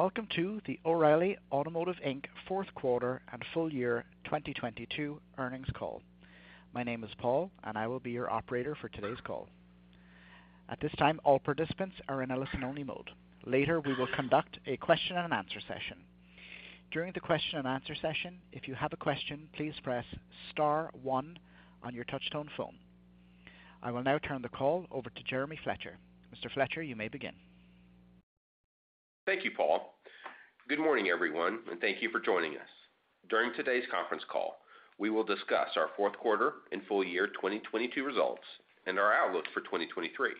Welcome to the O'Reilly Automotive, Inc. fourth quarter and full year 2022 earnings call. My name is Paul and I will be your operator for today's call. At this time, all participants are in a listen-only mode. Later, we will conduct a question and answer session. During the question and answer session, if you have a question, please press star one on your touchtone phone. I will now turn the call over to Jeremy Fletcher. Mr. Fletcher, you may begin. Thank you, Paul. Good morning, everyone, and thank you for joining us. During today's conference call, we will discuss our fourth quarter and full year 2022 results and our outlook for 2023.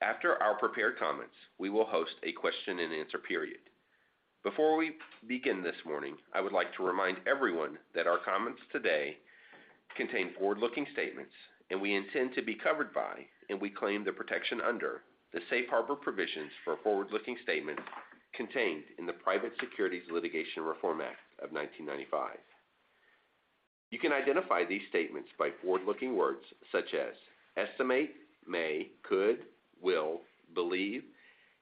After our prepared comments, we will host a question and answer period. Before we begin this morning, I would like to remind everyone that our comments today contain forward-looking statements, and we intend to be covered by and we claim the protection under the safe harbor provisions for forward-looking statements contained in the Private Securities Litigation Reform Act of 1995. You can identify these statements by forward-looking words such as estimate, may, could, will, believe,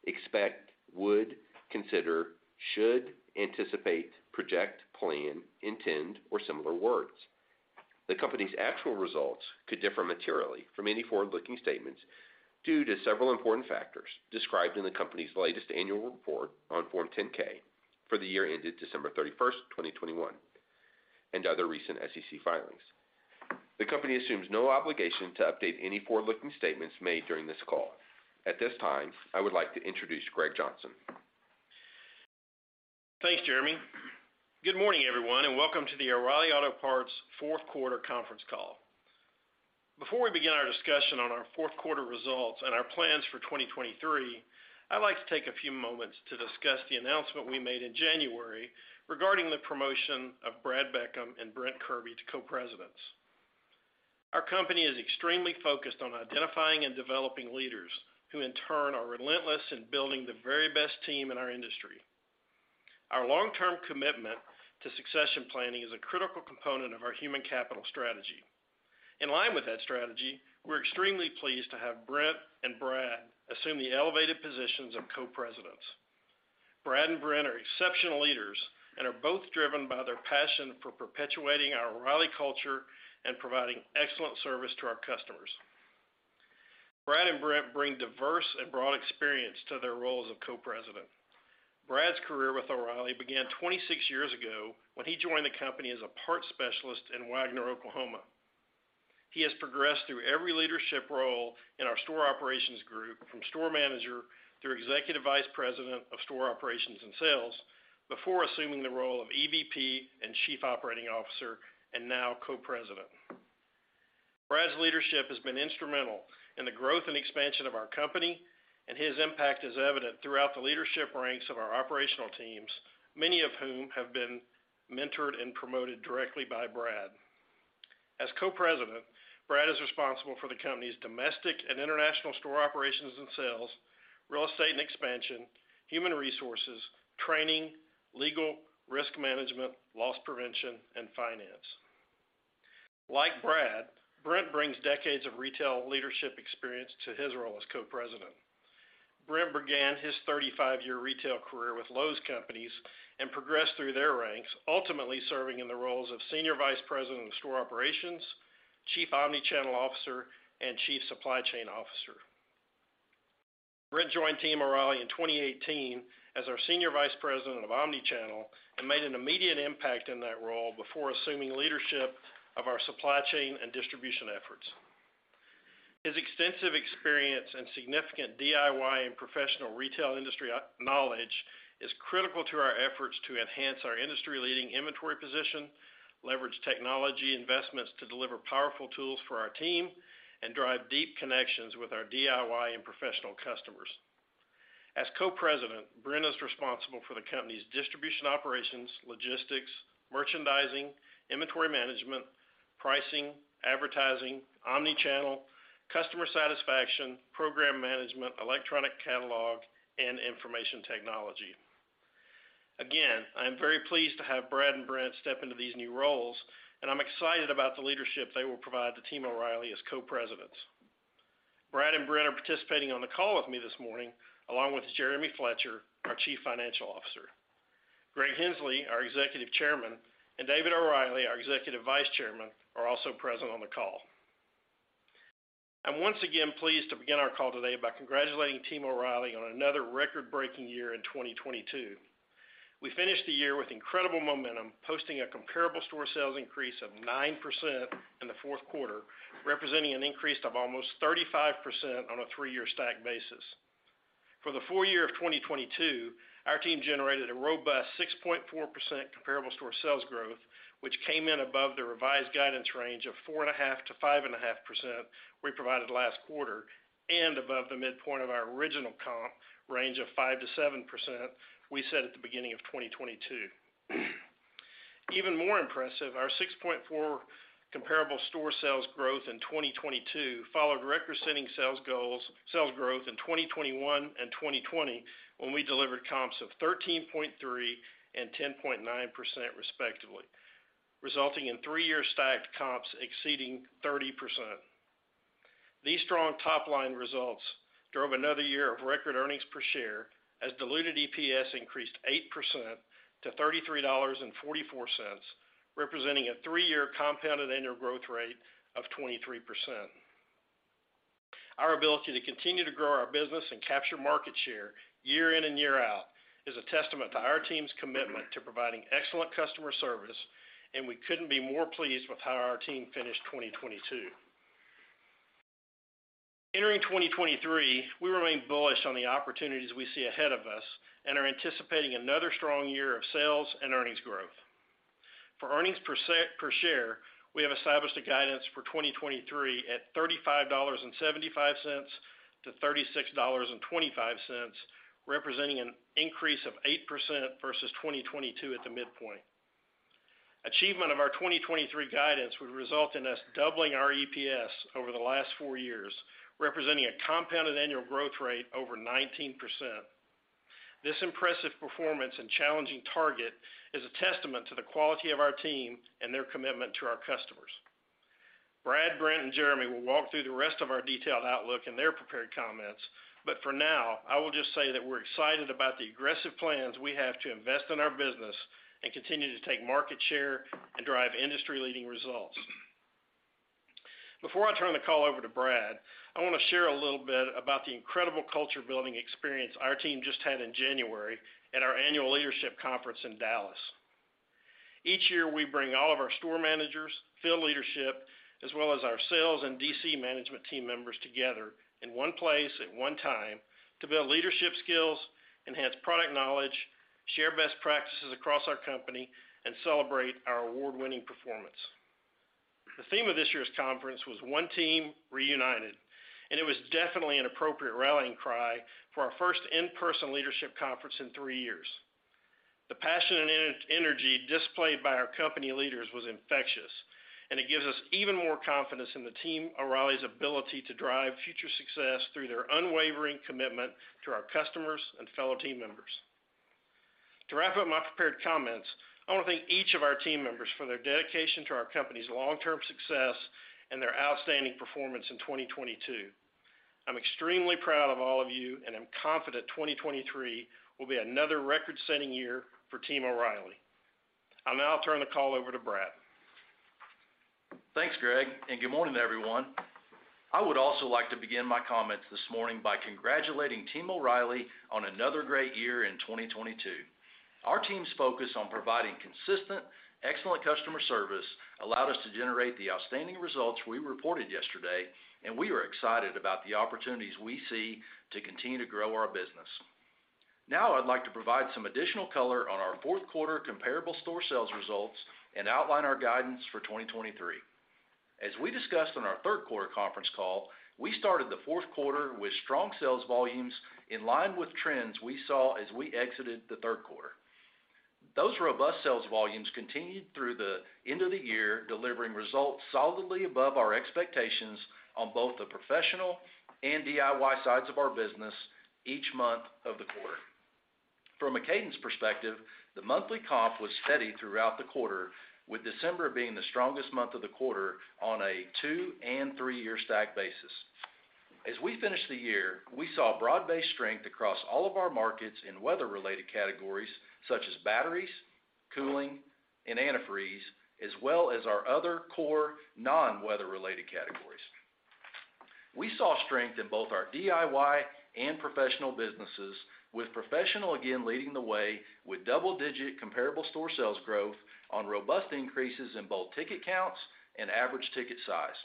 expect, would, consider, should, anticipate, project, plan, intend, or similar words. The company's actual results could differ materially from any forward-looking statements due to several important factors described in the company's latest annual report on Form 10-K for the year ended December 31st, 2021, and other recent SEC filings. The company assumes no obligation to update any forward-looking statements made during this call. At this time, I would like to introduce Greg Johnson. Thanks, Jeremy. Good morning, everyone, welcome to the O'Reilly Auto Parts fourth quarter conference call. Before we begin our discussion on our fourth quarter results and our plans for 2023, I'd like to take a few moments to discuss the announcement we made in January regarding the promotion of Brad Beckham and Brent Kirby to Co-Presidents. Our company is extremely focused on identifying and developing leaders who in turn are relentless in building the very best team in our industry. Our long-term commitment to succession planning is a critical component of our human capital strategy. In line with that strategy, we're extremely pleased to have Brent and Brad assume the elevated positions of Co-Presidents. Brad and Brent are exceptional leaders and are both driven by their passion for perpetuating our O'Reilly culture and providing excellent service to our customers. Brad and Brent bring diverse and broad experience to their roles of Co-President. Brad's career with O'Reilly began 26 years ago when he joined the company as a parts specialist in Wagoner, Oklahoma. He has progressed through every leadership role in our store operations group, from store manager through Executive Vice President of Store Operations and Sales, before assuming the role of EVP and Chief Operating Officer and now Co-President. Brad's leadership has been instrumental in the growth and expansion of our company, and his impact is evident throughout the leadership ranks of our operational teams, many of whom have been mentored and promoted directly by Brad. As Co-President, Brad is responsible for the company's domestic and international store operations and sales, real estate and expansion, human resources, training, legal, risk management, loss prevention, and finance. Like Brad, Brent brings decades of retail leadership experience to his role as Co-President. Brent began his 35-year retail career with Lowe's Companies and progressed through their ranks, ultimately serving in the roles of Senior Vice President of Store Operations, Chief Omnichannel Officer, and Chief Supply Chain Officer. Brent joined Team O'Reilly in 2018 as our Senior Vice President of Omnichannel and made an immediate impact in that role before assuming leadership of our supply chain and distribution efforts. His extensive experience and significant DIY and professional retail industry knowledge is critical to our efforts to enhance our industry-leading inventory position, leverage technology investments to deliver powerful tools for our team, and drive deep connections with our DIY and professional customers. As Co-President, Brent is responsible for the company's distribution operations, logistics, merchandising, inventory management, pricing, advertising, omnichannel, customer satisfaction, program management, electronic catalog, and information technology. Again, I am very pleased to have Brad and Brent step into these new roles, and I'm excited about the leadership they will provide to Team O'Reilly as Co-Presidents. Brad and Brent are participating on the call with me this morning, along with Jeremy Fletcher, our Chief Financial Officer. Greg Henslee, our Executive Chairman, and David O'Reilly, our Executive Vice Chairman, are also present on the call. I'm once again pleased to begin our call today by congratulating Team O'Reilly on another record-breaking year in 2022. We finished the year with incredible momentum, posting a comparable store sales increase of 9% in the fourth quarter, representing an increase of almost 35% on a three-year stack basis. For the full year of 2022, our team generated a robust 6.4% comparable store sales growth, which came in above the revised guidance range of 4.5%-5.5% we provided last quarter and above the midpoint of our original comp range of 5%-7% we set at the beginning of 2022. Even more impressive, our 6.4% comparable store sales growth in 2022 followed record-setting sales growth in 2021 and 2020 when we delivered comps of 13.3% and 10.9% respectively, resulting in three-year stacked comps exceeding 30%. These strong top-line results drove another year of record earnings per share as diluted EPS increased 8% to $33.44, representing a three-year compounded annual growth rate of 23%. Our ability to continue to grow our business and capture market share year in and year out is a testament to our team's commitment to providing excellent customer service, and we couldn't be more pleased with how our team finished 2022. Entering 2023, we remain bullish on the opportunities we see ahead of us and are anticipating another strong year of sales and earnings growth. For earnings per share, we have established a guidance for 2023 at $35.75-$36.25, representing an increase of 8% versus 2022 at the midpoint. Achievement of our 2023 guidance would result in us doubling our EPS over the last 4 years, representing a compounded annual growth rate over 19%. This impressive performance and challenging target is a testament to the quality of our team and their commitment to our customers. Brad, Brent, and Jeremy will walk through the rest of our detailed outlook in their prepared comments, but for now, I will just say that we're excited about the aggressive plans we have to invest in our business and continue to take market share and drive industry-leading results. Before I turn the call over to Brad, I want to share a little bit about the incredible culture-building experience our team just had in January at our annual leadership conference in Dallas. Each year, we bring all of our store managers, field leadership, as well as our sales and DC management team members together in one place at one time to build leadership skills, enhance product knowledge, share best practices across our company, and celebrate our award-winning performance. The theme of this year's conference was One Team, Reunited, and it was definitely an appropriate rallying cry for our first in-person leadership conference in three years. The passion and energy displayed by our company leaders was infectious, and it gives us even more confidence in the Team O'Reilly's ability to drive future success through their unwavering commitment to our customers and fellow team members. To wrap up my prepared comments, I want to thank each of our team members for their dedication to our company's long-term success and their outstanding performance in 2022. I'm extremely proud of all of you, and I'm confident 2023 will be another record-setting year for Team O'Reilly. I'll now turn the call over to Brad. Thanks, Greg, and good morning, everyone. I would also like to begin my comments this morning by congratulating Team O'Reilly on another great year in 2022. Our team's focus on providing consistent, excellent customer service allowed us to generate the outstanding results we reported yesterday, and we are excited about the opportunities we see to continue to grow our business. Now I'd like to provide some additional color on our fourth quarter comparable store sales results and outline our guidance for 2023. As we discussed on our third quarter conference call, we started the fourth quarter with strong sales volumes in line with trends we saw as we exited the third quarter. Those robust sales volumes continued through the end of the year, delivering results solidly above our expectations on both the professional and DIY sides of our business each month of the quarter. From a cadence perspective, the monthly comp was steady throughout the quarter, with December being the strongest month of the quarter on a two-year and three-year stack basis. As we finished the year, we saw broad-based strength across all of our markets in weather-related categories such as batteries, cooling, and antifreeze, as well as our other core non-weather-related categories. We saw strength in both our DIY and professional businesses, with professional again leading the way with double-digit comparable store sales growth on robust increases in both ticket counts and average ticket size.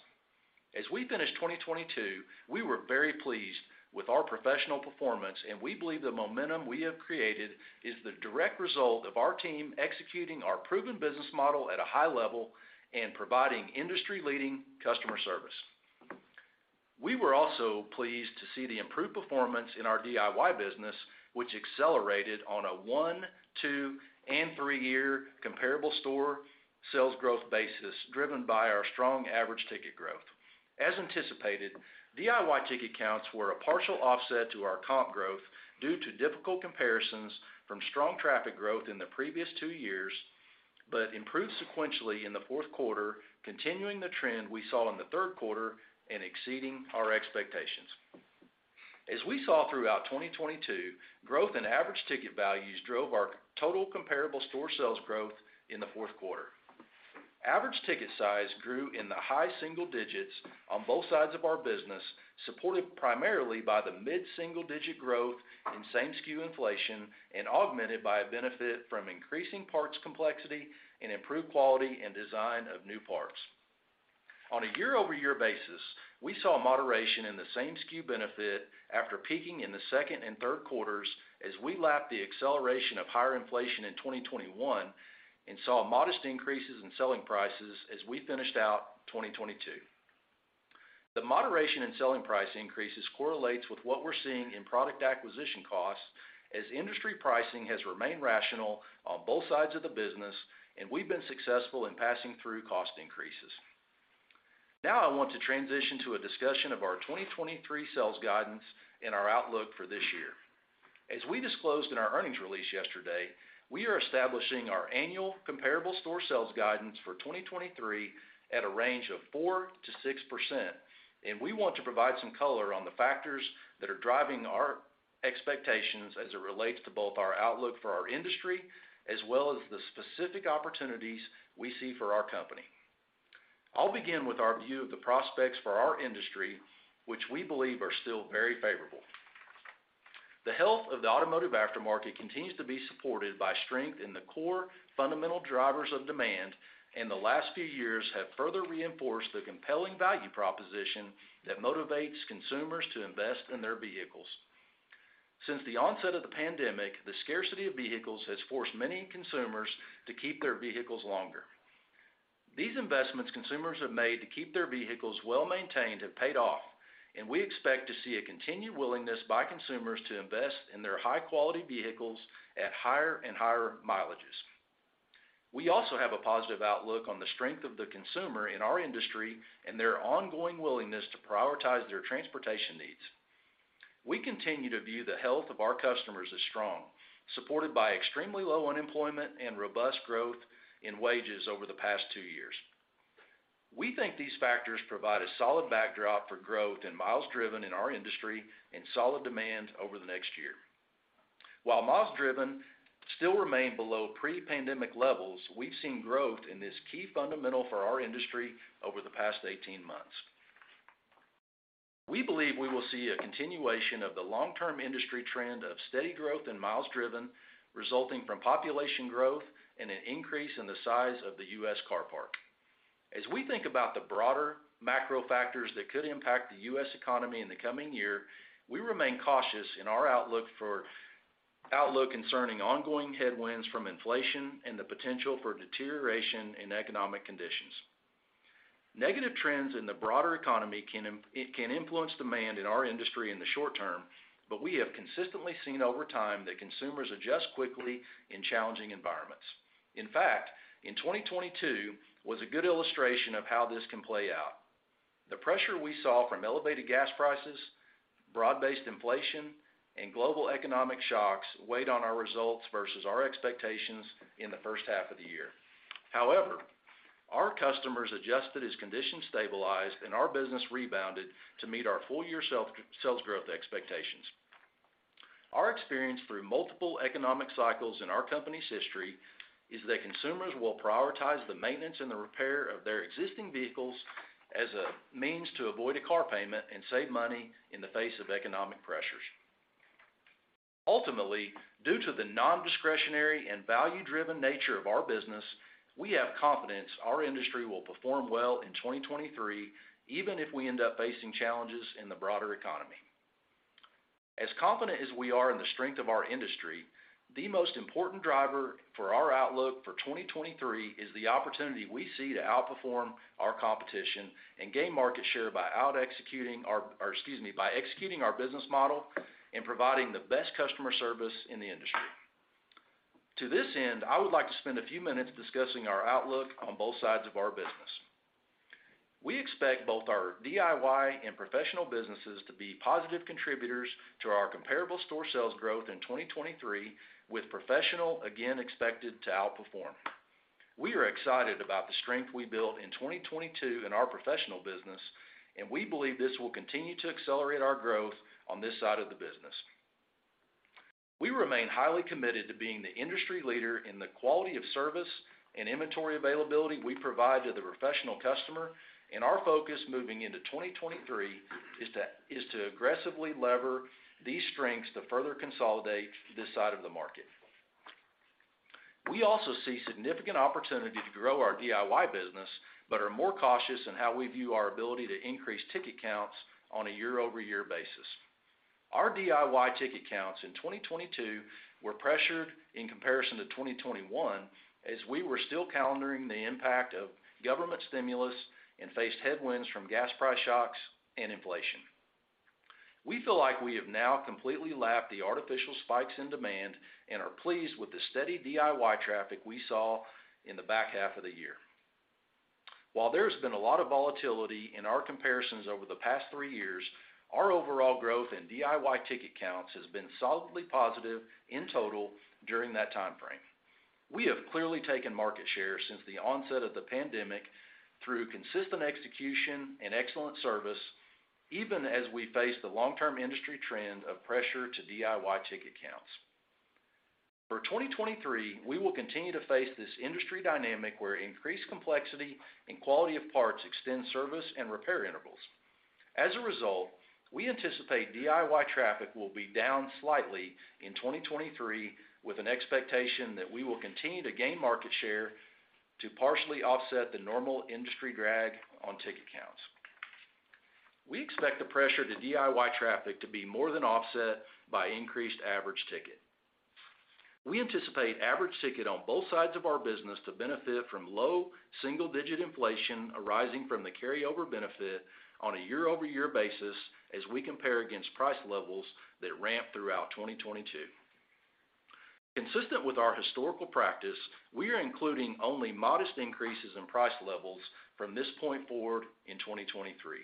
As we finished 2022, we were very pleased with our professional performance, and we believe the momentum we have created is the direct result of our team executing our proven business model at a high level and providing industry-leading customer service. We were also pleased to see the improved performance in our DIY business, which accelerated on a one-year two-year and three-year comparable store sales growth basis, driven by our strong average ticket growth. As anticipated, DIY ticket counts were a partial offset to our comp growth due to difficult comparisons from strong traffic growth in the previous two years, but improved sequentially in the fourth quarter, continuing the trend we saw in the third quarter and exceeding our expectations. As we saw throughout 2022, growth in average ticket values drove our total comparable store sales growth in the fourth quarter. Average ticket size grew in the high single digits on both sides of our business, supported primarily by the mid-single-digit growth in same-SKU inflation and augmented by a benefit from increasing parts complexity and improved quality and design of new parts. On a year-over-year basis, we saw a moderation in the same-SKU benefit after peaking in the second and third quarters as we lapped the acceleration of higher inflation in 2021 and saw modest increases in selling prices as we finished out 2022. The moderation in selling price increases correlates with what we're seeing in product acquisition costs as industry pricing has remained rational on both sides of the business, and we've been successful in passing through cost increases. I want to transition to a discussion of our 2023 sales guidance and our outlook for this year. As we disclosed in our earnings release yesterday, we are establishing our annual comparable store sales guidance for 2023 at a range of 4%-6%. We want to provide some color on the factors that are driving our expectations as it relates to both our outlook for our industry as well as the specific opportunities we see for our company. I'll begin with our view of the prospects for our industry, which we believe are still very favorable. The health of the automotive aftermarket continues to be supported by strength in the core fundamental drivers of demand. The last few years have further reinforced the compelling value proposition that motivates consumers to invest in their vehicles. Since the onset of the pandemic, the scarcity of vehicles has forced many consumers to keep their vehicles longer. These investments consumers have made to keep their vehicles well-maintained have paid off, and we expect to see a continued willingness by consumers to invest in their high-quality vehicles at higher and higher mileages. We also have a positive outlook on the strength of the consumer in our industry and their ongoing willingness to prioritize their transportation needs. We continue to view the health of our customers as strong, supported by extremely low unemployment and robust growth in wages over the past two years. We think these factors provide a solid backdrop for growth and miles driven in our industry and solid demand over the next year. While miles driven still remain below pre-pandemic levels, we've seen growth in this key fundamental for our industry over the past 18 months. We believe we will see a continuation of the long-term industry trend of steady growth in miles driven resulting from population growth and an increase in the size of the U.S. car park. As we think about the broader macro factors that could impact the U.S. economy in the coming year, we remain cautious in our outlook concerning ongoing headwinds from inflation and the potential for deterioration in economic conditions. Negative trends in the broader economy can influence demand in our industry in the short term, we have consistently seen over time that consumers adjust quickly in challenging environments. In fact, in 2022 was a good illustration of how this can play out. The pressure we saw from elevated gas prices, broad-based inflation, and global economic shocks weighed on our results versus our expectations in the first half of the year. Our customers adjusted as conditions stabilized and our business rebounded to meet our full year sales growth expectations. Our experience through multiple economic cycles in our company's history is that consumers will prioritize the maintenance and the repair of their existing vehicles as a means to avoid a car payment and save money in the face of economic pressures. Due to the nondiscretionary and value-driven nature of our business, we have confidence our industry will perform well in 2023 even if we end up facing challenges in the broader economy. As confident as we are in the strength of our industry, the most important driver for our outlook for 2023 is the opportunity we see to outperform our competition and gain market share by executing our business model and providing the best customer service in the industry. To this end, I would like to spend a few minutes discussing our outlook on both sides of our business. We expect both our DIY and professional businesses to be positive contributors to our comparable store sales growth in 2023, with professional again expected to outperform. We are excited about the strength we built in 2022 in our professional business, and we believe this will continue to accelerate our growth on this side of the business. We remain highly committed to being the industry leader in the quality of service and inventory availability we provide to the professional customer, and our focus moving into 2023 is to aggressively lever these strengths to further consolidate this side of the market. We also see significant opportunity to grow our DIY business but are more cautious in how we view our ability to increase ticket counts on a year-over-year basis. Our DIY ticket counts in 2022 were pressured in comparison to 2021, as we were still calendaring the impact of government stimulus and faced headwinds from gas price shocks and inflation. We feel like we have now completely lapped the artificial spikes in demand and are pleased with the steady DIY traffic we saw in the back half of the year. While there's been a lot of volatility in our comparisons over the past three years, our overall growth in DIY ticket counts has been solidly positive in total during that time frame. We have clearly taken market share since the onset of the pandemic through consistent execution and excellent service, even as we face the long-term industry trend of pressure to DIY ticket counts. For 2023, we will continue to face this industry dynamic where increased complexity and quality of parts extend service and repair intervals. As a result, we anticipate DIY traffic will be down slightly in 2023, with an expectation that we will continue to gain market share to partially offset the normal industry drag on ticket counts. We expect the pressure to DIY traffic to be more than offset by increased average ticket. We anticipate average ticket on both sides of our business to benefit from low single-digit inflation arising from the carryover benefit on a year-over-year basis as we compare against price levels that ramped throughout 2022. Consistent with our historical practice, we are including only modest increases in price levels from this point forward in 2023.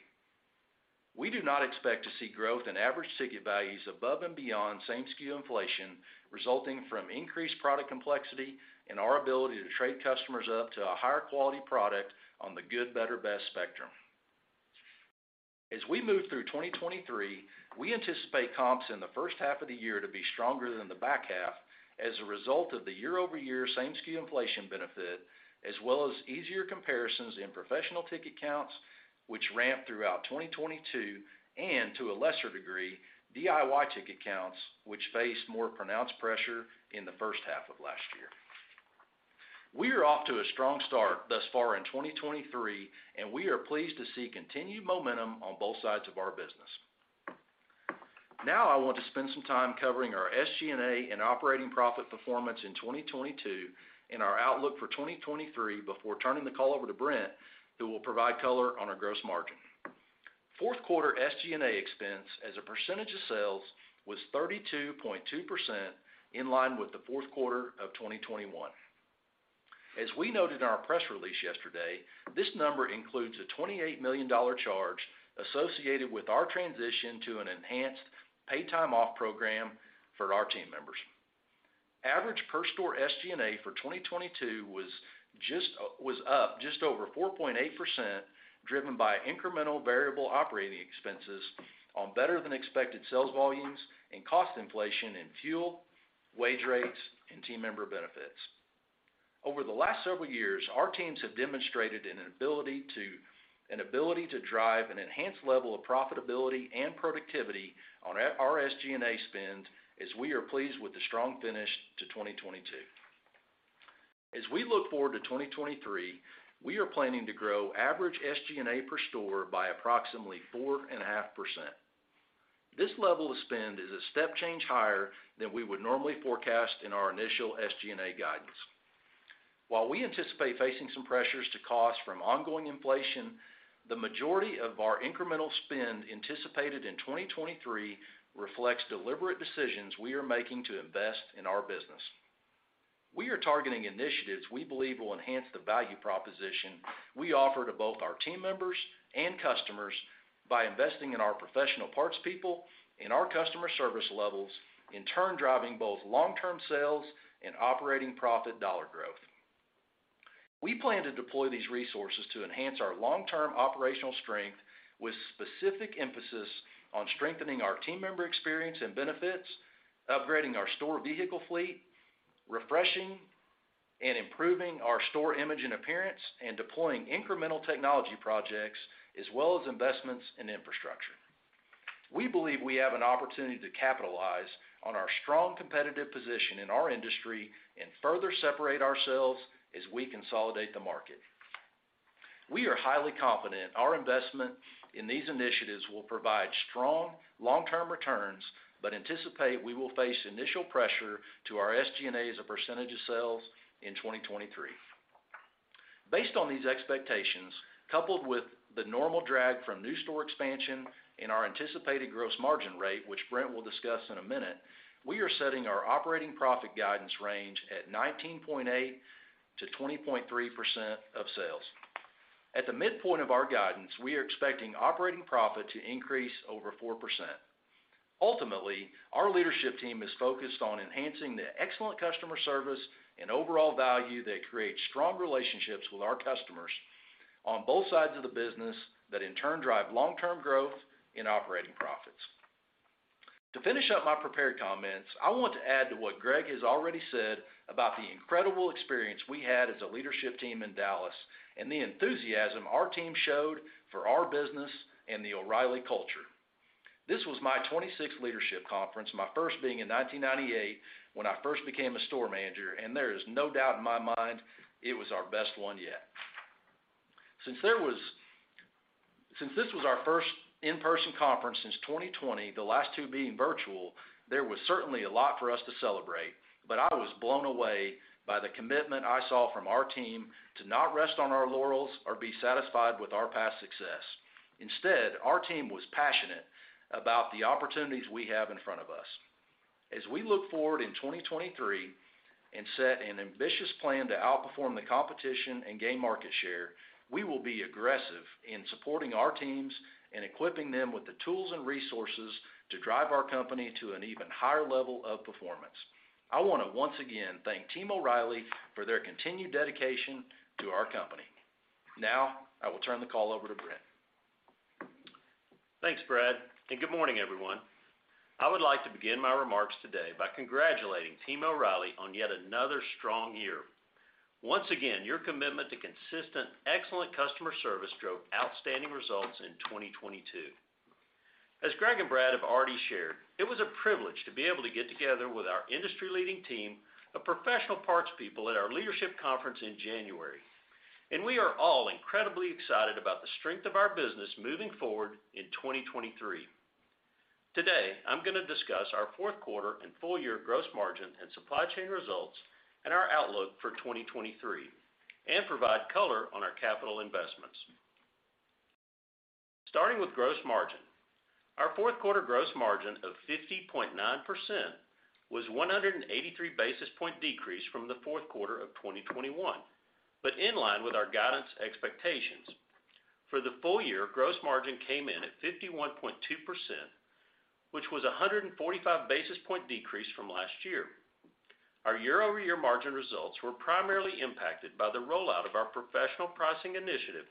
We do not expect to see growth in average ticket values above and beyond same-SKU inflation resulting from increased product complexity and our ability to trade customers up to a higher quality product on the good, better, best spectrum. As we move through 2023, we anticipate comps in the first half of the year to be stronger than the back half as a result of the year-over-year same-SKU inflation benefit, as well as easier comparisons in professional ticket counts, which ramped throughout 2022 and to a lesser degree, DIY ticket counts, which faced more pronounced pressure in the first half of last year. We are off to a strong start thus far in 2023, and we are pleased to see continued momentum on both sides of our business. Now I want to spend some time covering our SG&A and operating profit performance in 2022 and our outlook for 2023 before turning the call over to Brent, who will provide color on our gross margin. Fourth quarter SG&A expense as a percentage of sales was 32.2% in line with the fourth quarter of 2021. We noted in our press release yesterday, this number includes a $28 million charge associated with our transition to an enhanced paid time off program for our team members. Average per store SG&A for 2022 was up just over 4.8, driven by incremental variable operating expenses on better than expected sales volumes and cost inflation in fuel, wage rates, and team member benefits. Over the last several years, our teams have demonstrated an ability to drive an enhanced level of profitability and productivity on our SG&A spend as we are pleased with the strong finish to 2022. As we look forward to 2023, we are planning to grow average SG&A per store by approximately 4.5%. This level of spend is a step change higher than we would normally forecast in our initial SG&A guidance. While we anticipate facing some pressures to cost from ongoing inflation, the majority of our incremental spend anticipated in 2023 reflects deliberate decisions we are making to invest in our business. We are targeting initiatives we believe will enhance the value proposition we offer to both our team members and customers by investing in our professional parts people and our customer service levels, in turn driving both long-term sales and operating profit dollar growth. We plan to deploy these resources to enhance our long-term operational strength with specific emphasis on strengthening our team member experience and benefits, upgrading our store vehicle fleet, refreshing and improving our store image and appearance, and deploying incremental technology projects as well as investments in infrastructure. We believe we have an opportunity to capitalize on our strong competitive position in our industry and further separate ourselves as we consolidate the market. We are highly confident our investment in these initiatives will provide strong long-term returns. Anticipate we will face initial pressure to our SG&A as a % of sales in 2023. Based on these expectations, coupled with the normal drag from new store expansion and our anticipated gross margin rate, which Brent will discuss in a minute, we are setting our operating profit guidance range at 19.8%-20.3% of sales. At the midpoint of our guidance, we are expecting operating profit to increase over 4%. Ultimately, our leadership team is focused on enhancing the excellent customer service and overall value that creates strong relationships with our customers on both sides of the business that in turn drive long-term growth in operating profits. To finish up my prepared comments, I want to add to what Greg has already said about the incredible experience we had as a leadership team in Dallas and the enthusiasm our team showed for our business and the O'Reilly culture. This was my 26th leadership conference, my first being in 1998 when I first became a store manager. There is no doubt in my mind it was our best one yet. Since this was our first in-person conference since 2020, the last two being virtual, there was certainly a lot for us to celebrate, but I was blown away by the commitment I saw from our team to not rest on our laurels or be satisfied with our past success. Instead, our team was passionate about the opportunities we have in front of us. As we look forward in 2023 and set an ambitious plan to outperform the competition and gain market share, we will be aggressive in supporting our teams and equipping them with the tools and resources to drive our company to an even higher level of performance. I want to once again thank Team O'Reilly for their continued dedication to our company. Now, I will turn the call over to Brent. Thanks, Brad. Good morning, everyone. I would like to begin my remarks today by congratulating Team O'Reilly on yet another strong year. Once again, your commitment to consistent excellent customer service drove outstanding results in 2022. As Greg and Brad have already shared, it was a privilege to be able to get together with our industry-leading team of professional parts people at our leadership conference in January. We are all incredibly excited about the strength of our business moving forward in 2023. Today, I'm gonna discuss our fourth quarter and full year gross margin and supply chain results and our outlook for 2023, and provide color on our capital investments. Starting with gross margin. Our fourth quarter gross margin of 50.9% was 183 basis point decrease from the fourth quarter of 2021, but in line with our guidance expectations. For the full year, gross margin came in at 51.2%, which was a 145 basis point decrease from last year. Our year-over-year margin results were primarily impacted by the rollout of our professional pricing initiative,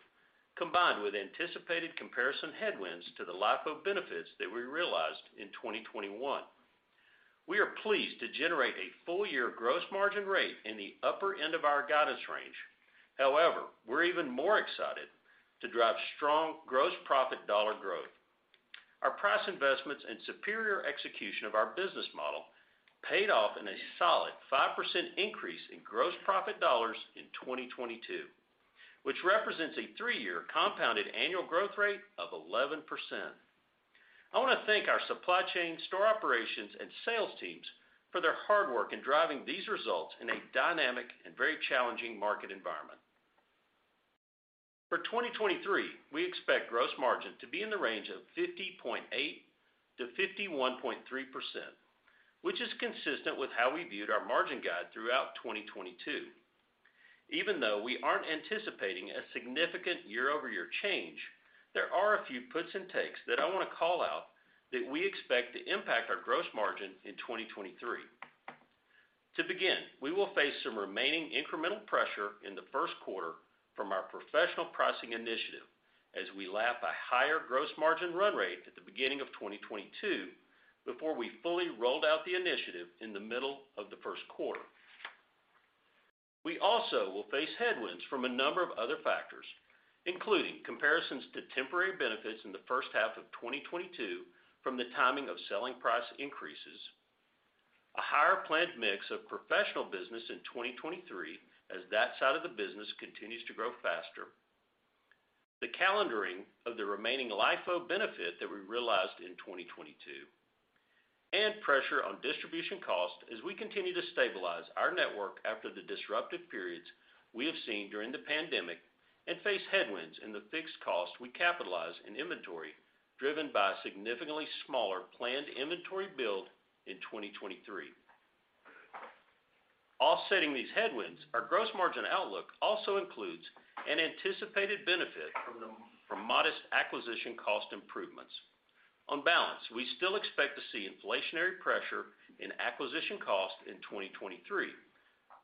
combined with anticipated comparison headwinds to the LIFO benefits that we realized in 2021. We are pleased to generate a full year gross margin rate in the upper end of our guidance range. We're even more excited to drive strong gross profit dollar growth. Our price investments and superior execution of our business model paid off in a solid 5% increase in gross profit dollars in 2022, which represents a three-year compounded annual growth rate of 11%. I want to thank our supply chain, store operations, and sales teams for their hard work in driving these results in a dynamic and very challenging market environment. For 2023, we expect gross margin to be in the range of 50.8%-51.3%, which is consistent with how we viewed our margin guide throughout 2022. Even though we aren't anticipating a significant year-over-year change, there are a few puts and takes that I want to call out that we expect to impact our gross margin in 2023. To begin, we will face some remaining incremental pressure in the first quarter from our professional pricing initiative as we lap a higher gross margin run rate at the beginning of 2022 before we fully rolled out the initiative in the middle of the first quarter. We also will face headwinds from a number of other factors, including comparisons to temporary benefits in the first half of 2022 from the timing of selling price increases, a higher planned mix of professional business in 2023 as that side of the business continues to grow faster, the calendaring of the remaining LIFO benefit that we realized in 2022, and pressure on distribution costs as we continue to stabilize our network after the disruptive periods we have seen during the pandemic and face headwinds in the fixed cost we capitalize in inventory driven by significantly smaller planned inventory build in 2023. Offsetting these headwinds, our gross margin outlook also includes an anticipated benefit from modest acquisition cost improvements. On balance, we still expect to see inflationary pressure in acquisition costs in 2023,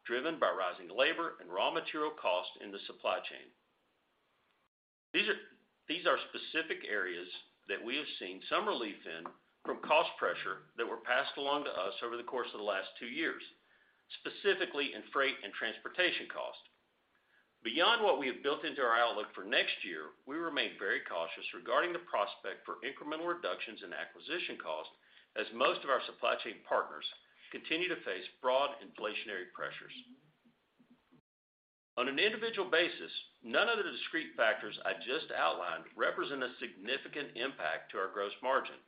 driven by rising labor and raw material costs in the supply chain. These are specific areas that we have seen some relief in from cost pressure that were passed along to us over the course of the last two years, specifically in freight and transportation costs. Beyond what we have built into our outlook for next year, we remain very cautious regarding the prospect for incremental reductions in acquisition costs, as most of our supply chain partners continue to face broad inflationary pressures. On an individual basis, none of the discrete factors I just outlined represent a significant impact to our gross margin.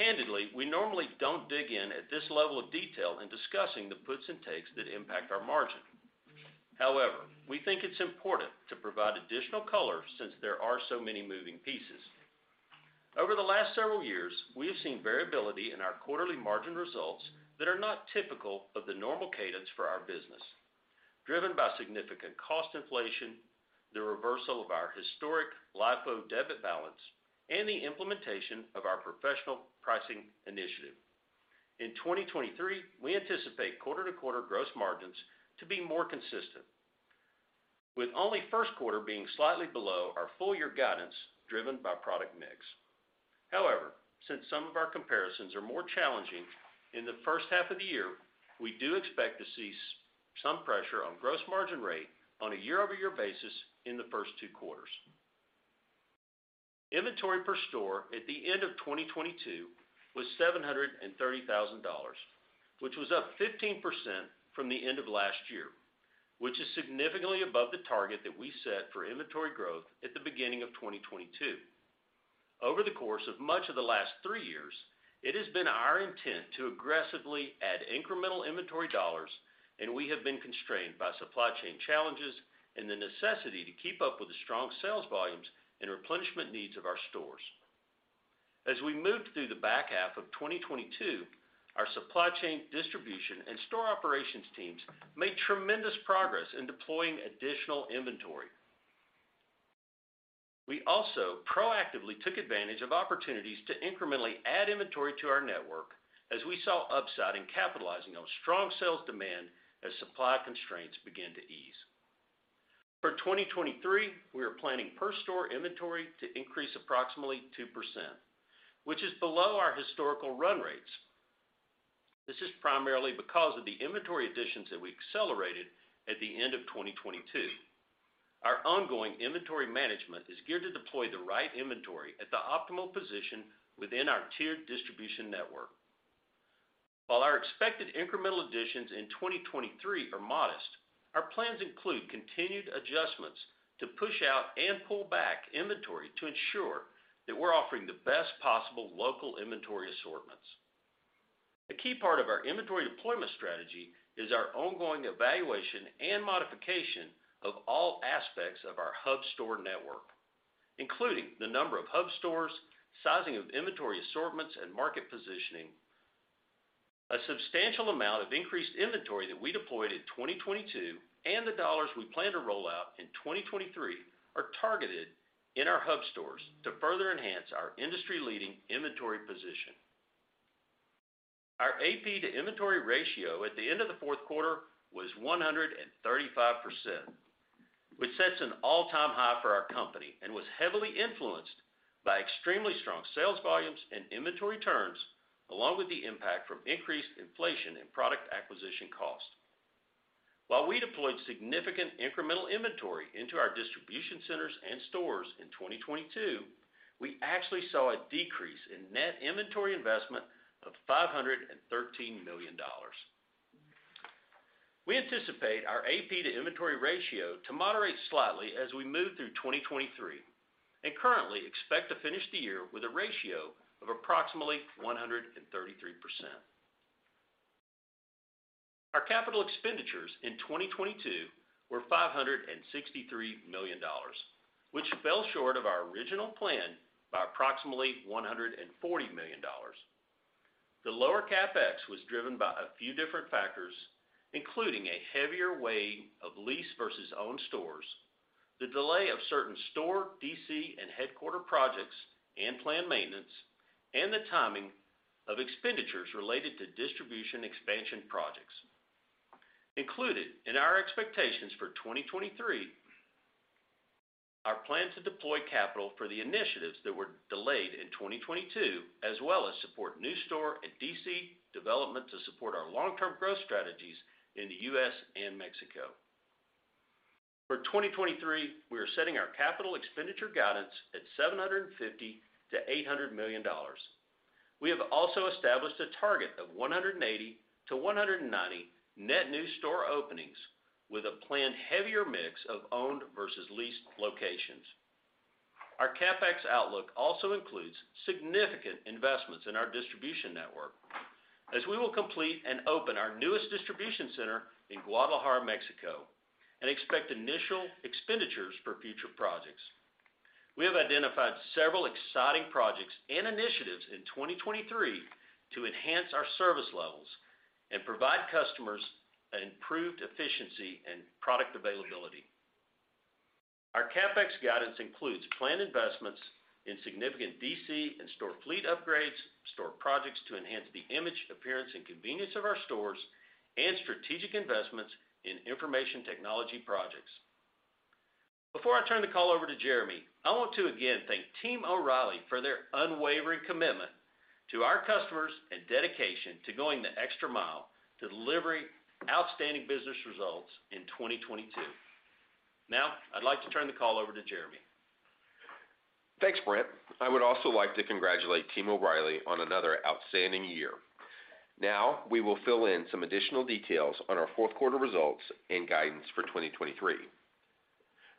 Candidly, we normally don't dig in at this level of detail in discussing the puts and takes that impact our margin. However, we think it's important to provide additional color since there are so many moving pieces. Over the last several years, we have seen variability in our quarterly margin results that are not typical of the normal cadence for our business, driven by significant cost inflation, the reversal of our historic LIFO debit balance, and the implementation of our professional pricing initiative. In 2023, we anticipate quarter-to-quarter gross margins to be more consistent, with only first quarter being slightly below our full year guidance driven by product mix. Since some of our comparisons are more challenging in the first half of the year, we do expect to see some pressure on gross margin rate on a year-over-year basis in the first two quarters. Inventory per store at the end of 2022 was $730,000, which was up 15% from the end of last year, which is significantly above the target that we set for inventory growth at the beginning of 2022. Over the course of much of the last three years, it has been our intent to aggressively add incremental inventory dollars. We have been constrained by supply chain challenges and the necessity to keep up with the strong sales volumes and replenishment needs of our stores. As we moved through the back half of 2022, our supply chain distribution and store operations teams made tremendous progress in deploying additional inventory. We also proactively took advantage of opportunities to incrementally add inventory to our network as we saw upside in capitalizing on strong sales demand as supply constraints began to ease. For 2023, we are planning per store inventory to increase approximately 2%, which is below our historical run rates. This is primarily because of the inventory additions that we accelerated at the end of 2022. Our ongoing inventory management is geared to deploy the right inventory at the optimal position within our tiered distribution network. While our expected incremental additions in 2023 are modest, our plans include continued adjustments to push out and pull back inventory to ensure that we're offering the best possible local inventory assortments. A key part of our inventory deployment strategy is our ongoing evaluation and modification of all aspects of our hub store network, including the number of hub stores, sizing of inventory assortments, and market positioning. A substantial amount of increased inventory that we deployed in 2022 and the dollars we plan to roll out in 2023 are targeted in our hub stores to further enhance our industry-leading inventory position. Our AP to inventory ratio at the end of the fourth quarter was 135%, which sets an all-time high for our company and was heavily influenced by extremely strong sales volumes and inventory turns, along with the impact from increased inflation and product acquisition cost. While we deployed significant incremental inventory into our distribution centers and stores in 2022, we actually saw a decrease in net inventory investment of $513 million. We anticipate our AP to inventory ratio to moderate slightly as we move through 2023 and currently expect to finish the year with a ratio of approximately 133%. Our capital expenditures in 2022 were $563 million, which fell short of our original plan by approximately $140 million. The lower CapEx was driven by a few different factors, including a heavier weighting of leased versus owned stores, the delay of certain store, DC, and headquarter projects and planned maintenance, and the timing of expenditures related to distribution expansion projects. Included in our expectations for 2023 are plans to deploy capital for the initiatives that were delayed in 2022, as well as support new store and DC development to support our long-term growth strategies in the U.S. and Mexico. For 2023, we are setting our capital expenditure guidance at $750 million-$800 million. We have also established a target of 180-190 net new store openings with a planned heavier mix of owned versus leased locations. Our CapEx outlook also includes significant investments in our distribution network as we will complete and open our newest distribution center in Guadalajara, Mexico, and expect initial expenditures for future projects. We have identified several exciting projects and initiatives in 2023 to enhance our service levels and provide customers improved efficiency and product availability. Our CapEx guidance includes planned investments in significant DC and store fleet upgrades, store projects to enhance the image, appearance, and convenience of our stores, and strategic investments in information technology projects. Before I turn the call over to Jeremy, I want to again thank Team O'Reilly for their unwavering commitment to our customers and dedication to going the extra mile delivering outstanding business results in 2022. I'd like to turn the call over to Jeremy. Thanks, Brent. I would also like to congratulate Team O'Reilly on another outstanding year. We will fill in some additional details on our fourth quarter results and guidance for 2023.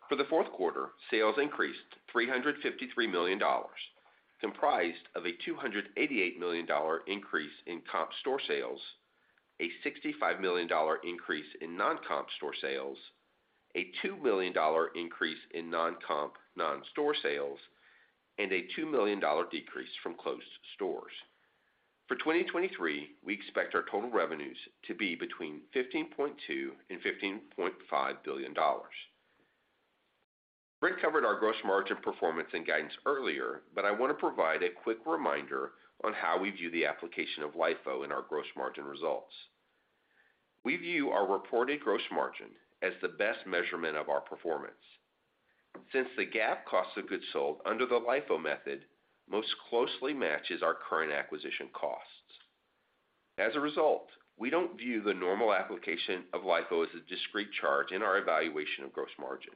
For the fourth quarter, sales increased $353 million, comprised of a $288 million increase in comp store sales, a $65 million increase in non-comp store sales, a $2 million increase in non-comp non-store sales, and a $2 million decrease from closed stores. For 2023, we expect our total revenues to be between $15.2 billion and $15.5 billion. Brent covered our gross margin performance and guidance earlier, I want to provide a quick reminder on how we view the application of LIFO in our gross margin results. Since the GAAP cost of goods sold under the LIFO method most closely matches our current acquisition costs. As a result, we don't view the normal application of LIFO as a discrete charge in our evaluation of gross margin.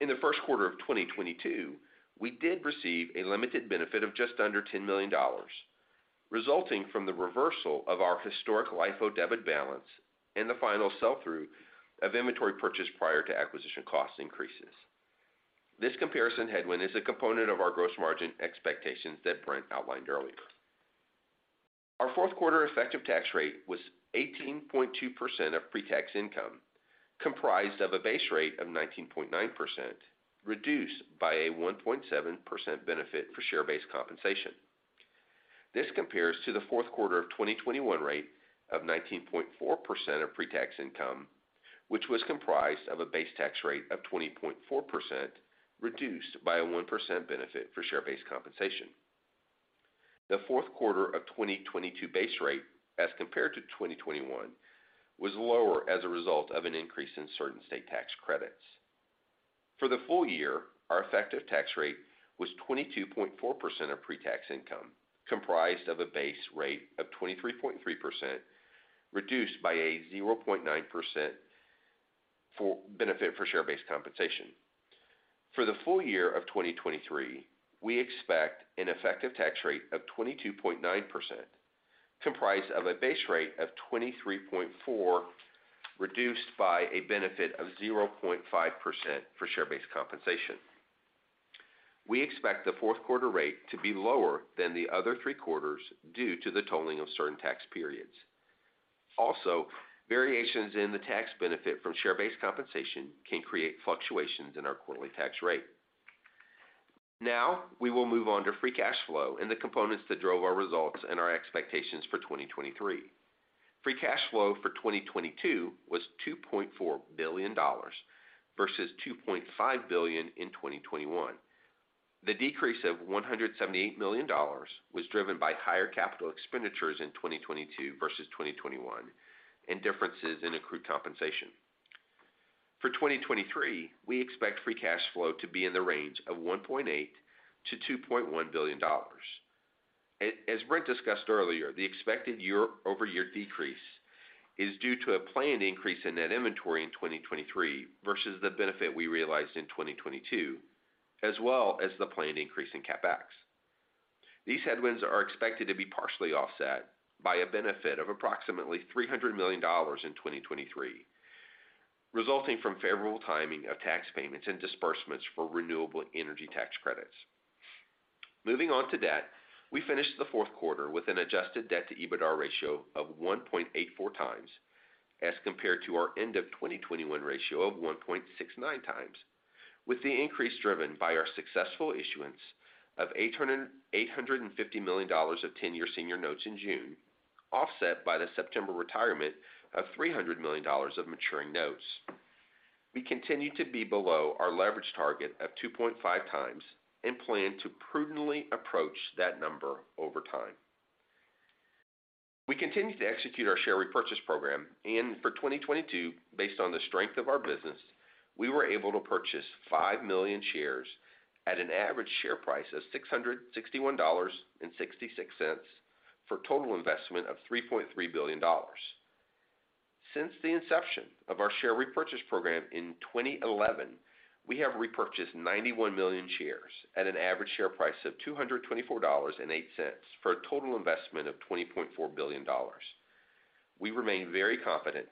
In the first quarter of 2022, we did receive a limited benefit of just under $10 million, resulting from the reversal of our historic LIFO debit balance and the final sell-through of inventory purchased prior to acquisition cost increases. This comparison headwind is a component of our gross margin expectations that Brent outlined earlier. Our fourth quarter effective tax rate was 18.2% of pre-tax income, comprised of a base rate of 19.9%, reduced by a 1.7% benefit for share-based compensation. This compares to the fourth quarter of 2021 rate of 19.4% of pre-tax income, which was comprised of a base tax rate of 20.4%, reduced by a 1% benefit for share-based compensation. The fourth quarter of 2022 base rate as compared to 2021 was lower as a result of an increase in certain state tax credits. For the full year, our effective tax rate was 22.4% of pre-tax income, comprised of a base rate of 23.3%, reduced by a 0.9% for benefit for share-based compensation. For the full year of 2023, we expect an effective tax rate of 22.9%, comprised of a base rate of 23.4%, reduced by a benefit of 0.5% for share-based compensation. We expect the fourth quarter rate to be lower than the other three quarters due to the totaling of certain tax periods. Variations in the tax benefit from share-based compensation can create fluctuations in our quarterly tax rate. Now we will move on to free cash flow and the components that drove our results and our expectations for 2023. Free cash flow for 2022 was $2.4 billion versus $2.5 billion in 2021. The decrease of $178 million was driven by higher capital expenditures in 2022 versus 2021 and differences in accrued compensation. For 2023, we expect free cash flow to be in the range of $1.8 billion-$2.1 billion. As Brent discussed earlier, the expected year-over-year decrease is due to a planned increase in net inventory in 2023 versus the benefit we realized in 2022, as well as the planned increase in CapEx. These headwinds are expected to be partially offset by a benefit of approximately $300 million in 2023, resulting from favorable timing of tax payments and disbursements for renewable energy tax credits. Moving on to debt. We finished the fourth quarter with an adjusted debt to EBITDA ratio of 1.84x as compared to our end of 2021 ratio of 1.69x, with the increase driven by our successful issuance of $850 million of 10-year senior notes in June, offset by the September retirement of $300 million of maturing notes. We continue to be below our leverage target of 2.5xand plan to prudently approach that number over time. For 2022, based on the strength of our business, we were able to purchase five million shares at an average share price of $661.66 for a total investment of $3.3 billion. Since the inception of our share repurchase program in 2011, we have repurchased 91 million shares at an average share price of $224.08 for a total investment of $20.4 billion. We remain very confident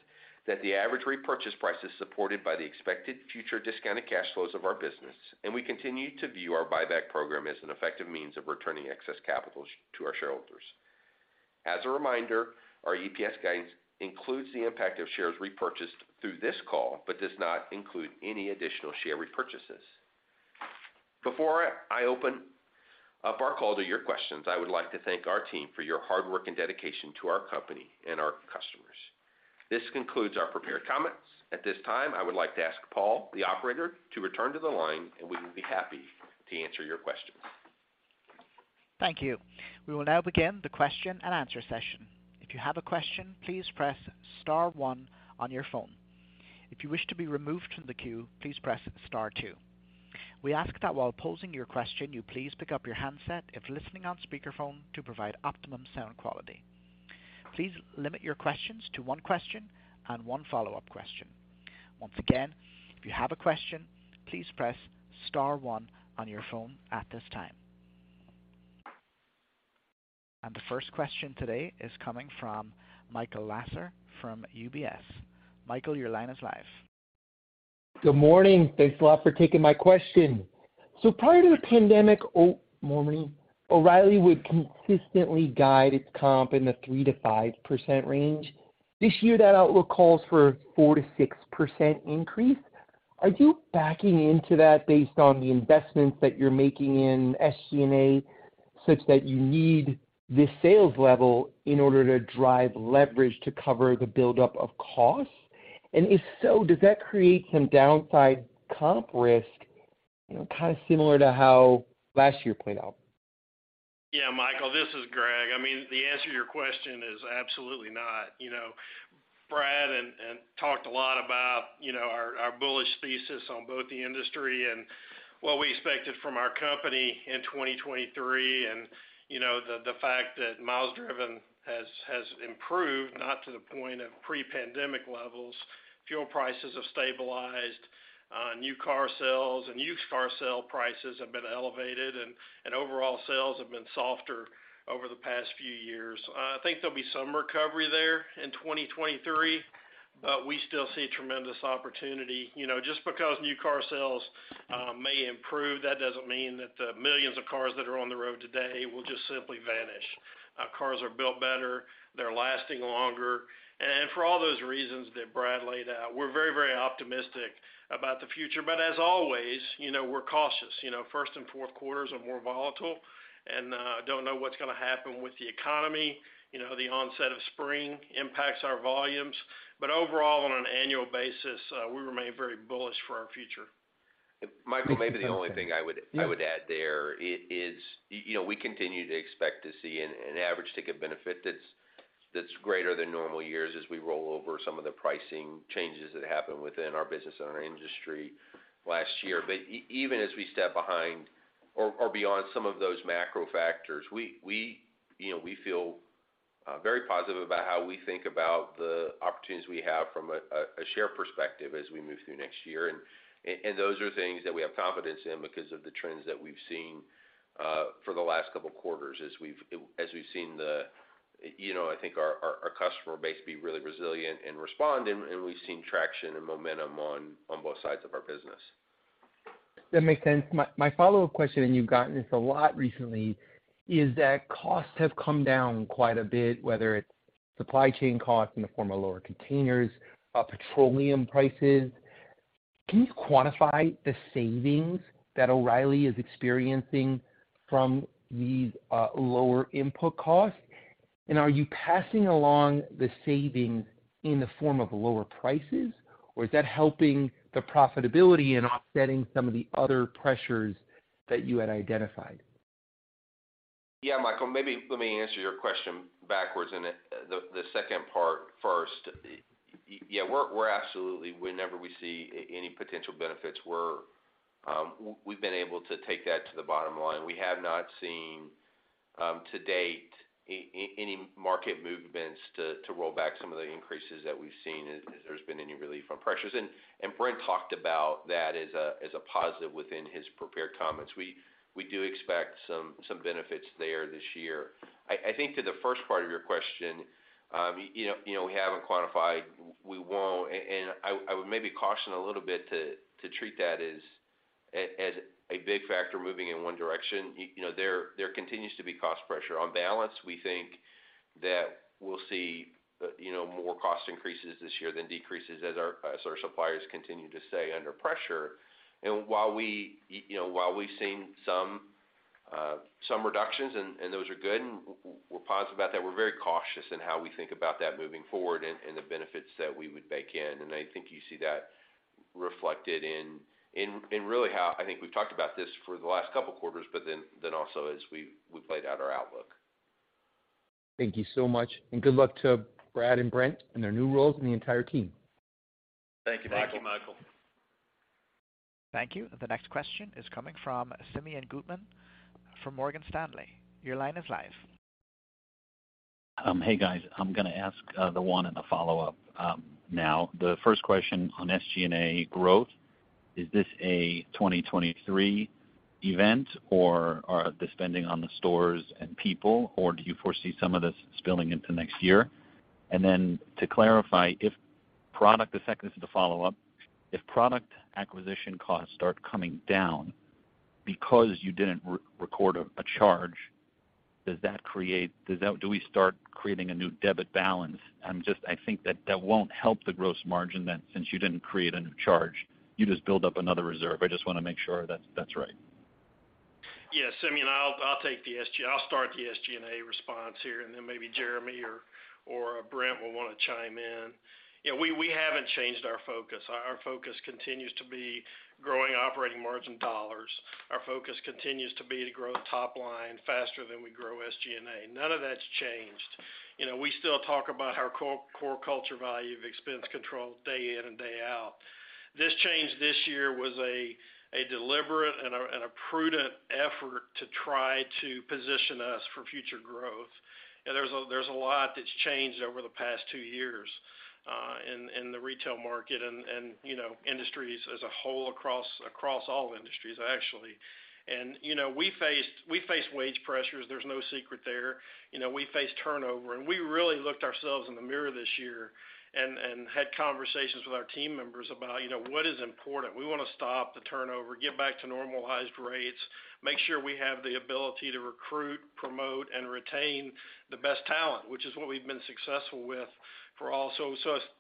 that the average repurchase price is supported by the expected future discounted cash flows of our business. We continue to view our buyback program as an effective means of returning excess capital to our shareholders. As a reminder, our EPS guidance includes the impact of shares repurchased through this call. Does not include any additional share repurchases. Before I open up our call to your questions, I would like to thank our team for your hard work and dedication to our company and our customers. This concludes our prepared comments. At this time, I would like to ask Paul, the operator, to return to the line and we will be happy to answer your questions. Thank you. We will now begin the question and answer session. If you have a question, please press star one on your phone. If you wish to be removed from the queue, please press star two. We ask that while posing your question, you please pick up your handset if listening on speakerphone to provide optimum sound quality. Please limit your questions to one question and one follow-up question. Once again, if you have a question, please press star one on your phone at this time. The first question today is coming from Michael Lasser from UBS. Michael, your line is live. Good morning. Thanks a lot for taking my question. Prior to the pandemic, morning, O'Reilly would consistently guide its comp in the 3%-5% range. This year, that outlook calls for 4%-6% increase. Are you backing into that based on the investments that you're making in SG&A, such that you need this sales level in order to drive leverage to cover the buildup of costs? If so, does that create some downside comp risk, you know, kind of similar to how last year played out? Yeah, Michael, this is Greg. I mean, the answer to your question is absolutely not. You know, Brad and talked a lot about, you know, our bullish thesis on both the industry and what we expected from our company in 2023. You know, the fact that miles driven has improved, not to the point of pre-pandemic levels. Fuel prices have stabilized, new car sales and used car sale prices have been elevated and overall sales have been softer over the past few years. I think there'll be some recovery there in 2023, we still see tremendous opportunity. You know, just because new car sales may improve, that doesn't mean that the millions of cars that are on the road today will just simply vanish. Cars are built better, they're lasting longer. For all those reasons that Brad laid out, we're very, very optimistic about the future. As always, you know, we're cautious. You know, first and fourth quarters are more volatile and don't know what's gonna happen with the economy. You know, the onset of spring impacts our volumes. Overall, on an annual basis, we remain very bullish for our future. Michael, maybe the only thing I would add there is, you know, we continue to expect to see an average ticket benefit that's greater than normal years as we roll over some of the pricing changes that happened within our business and our industry last year. Even as we step behind or beyond some of those macro factors, we, you know, we feel very positive about how we think about the opportunities we have from a share perspective as we move through next year. Those are things that we have confidence in because of the trends that we've seen for the last couple of quarters as we've seen the, you know, I think our customer base be really resilient and respond, and we've seen traction and momentum on both sides of our business. That makes sense. My follow-up question, you've gotten this a lot recently, is that costs have come down quite a bit, whether it's supply chain costs in the form of lower containers, petroleum prices. Can you quantify the savings that O'Reilly is experiencing from these lower input costs? Are you passing along the savings in the form of lower prices, or is that helping the profitability and offsetting some of the other pressures that you had identified? Michael, maybe let me answer your question backwards and the second part first. We're absolutely whenever we see any potential benefits, we've been able to take that to the bottom line. We have not seen to date any market movements to roll back some of the increases that we've seen as there's been any relief from pressures. Brent talked about that as a positive within his prepared comments. We do expect some benefits there this year. I think to the first part of your question, you know, we haven't quantified, we won't. I would maybe caution a little bit to treat that as a big factor moving in one direction. You know, there continues to be cost pressure. On balance, we think that we'll see, you know, more cost increases this year than decreases as our suppliers continue to stay under pressure. While we, you know, while we've seen some reductions and those are good and we're positive about that, we're very cautious in how we think about that moving forward and the benefits that we would bake in. I think you see that reflected in really how I think we've talked about this for the last couple of quarters, but then also as we played out our outlook. Thank you so much, and good luck to Brad and Brent in their new roles and the entire team. Thank you, Michael. Thank you. The next question is coming from Simeon Gutman from Morgan Stanley. Your line is live. Hey, guys. I'm gonna ask the one and the follow-up now. The first question on SG&A growth, is this a 2023 event or are the spending on the stores and people, or do you foresee some of this spilling into next year? Then to clarify, the second is the follow-up. If product acquisition costs start coming down because you didn't re-record a charge, do we start creating a new debit balance? I think that that won't help the gross margin then, since you didn't create a new charge, you just build up another reserve. I just want to make sure that's right. Yes. Simeon, I'll take the SG&A response here, and then maybe Jeremy or Brent will want to chime in. You know, we haven't changed our focus. Our focus continues to be growing operating margin dollars. Our focus continues to be to grow top line faster than we grow SG&A. None of that's changed. You know, we still talk about our core culture value of expense control day in and day out. This change this year was a deliberate and a prudent effort to try to position us for future growth. There's a lot that's changed over the past two years in the retail market and, you know, industries as a whole across all industries, actually. You know, we face wage pressures. There's no secret there. You know, we face turnover. We really looked ourselves in the mirror this year and had conversations with our team members about, you know, what is important. We want to stop the turnover, get back to normalized rates, make sure we have the ability to recruit, promote, and retain the best talent, which is what we've been successful with for also.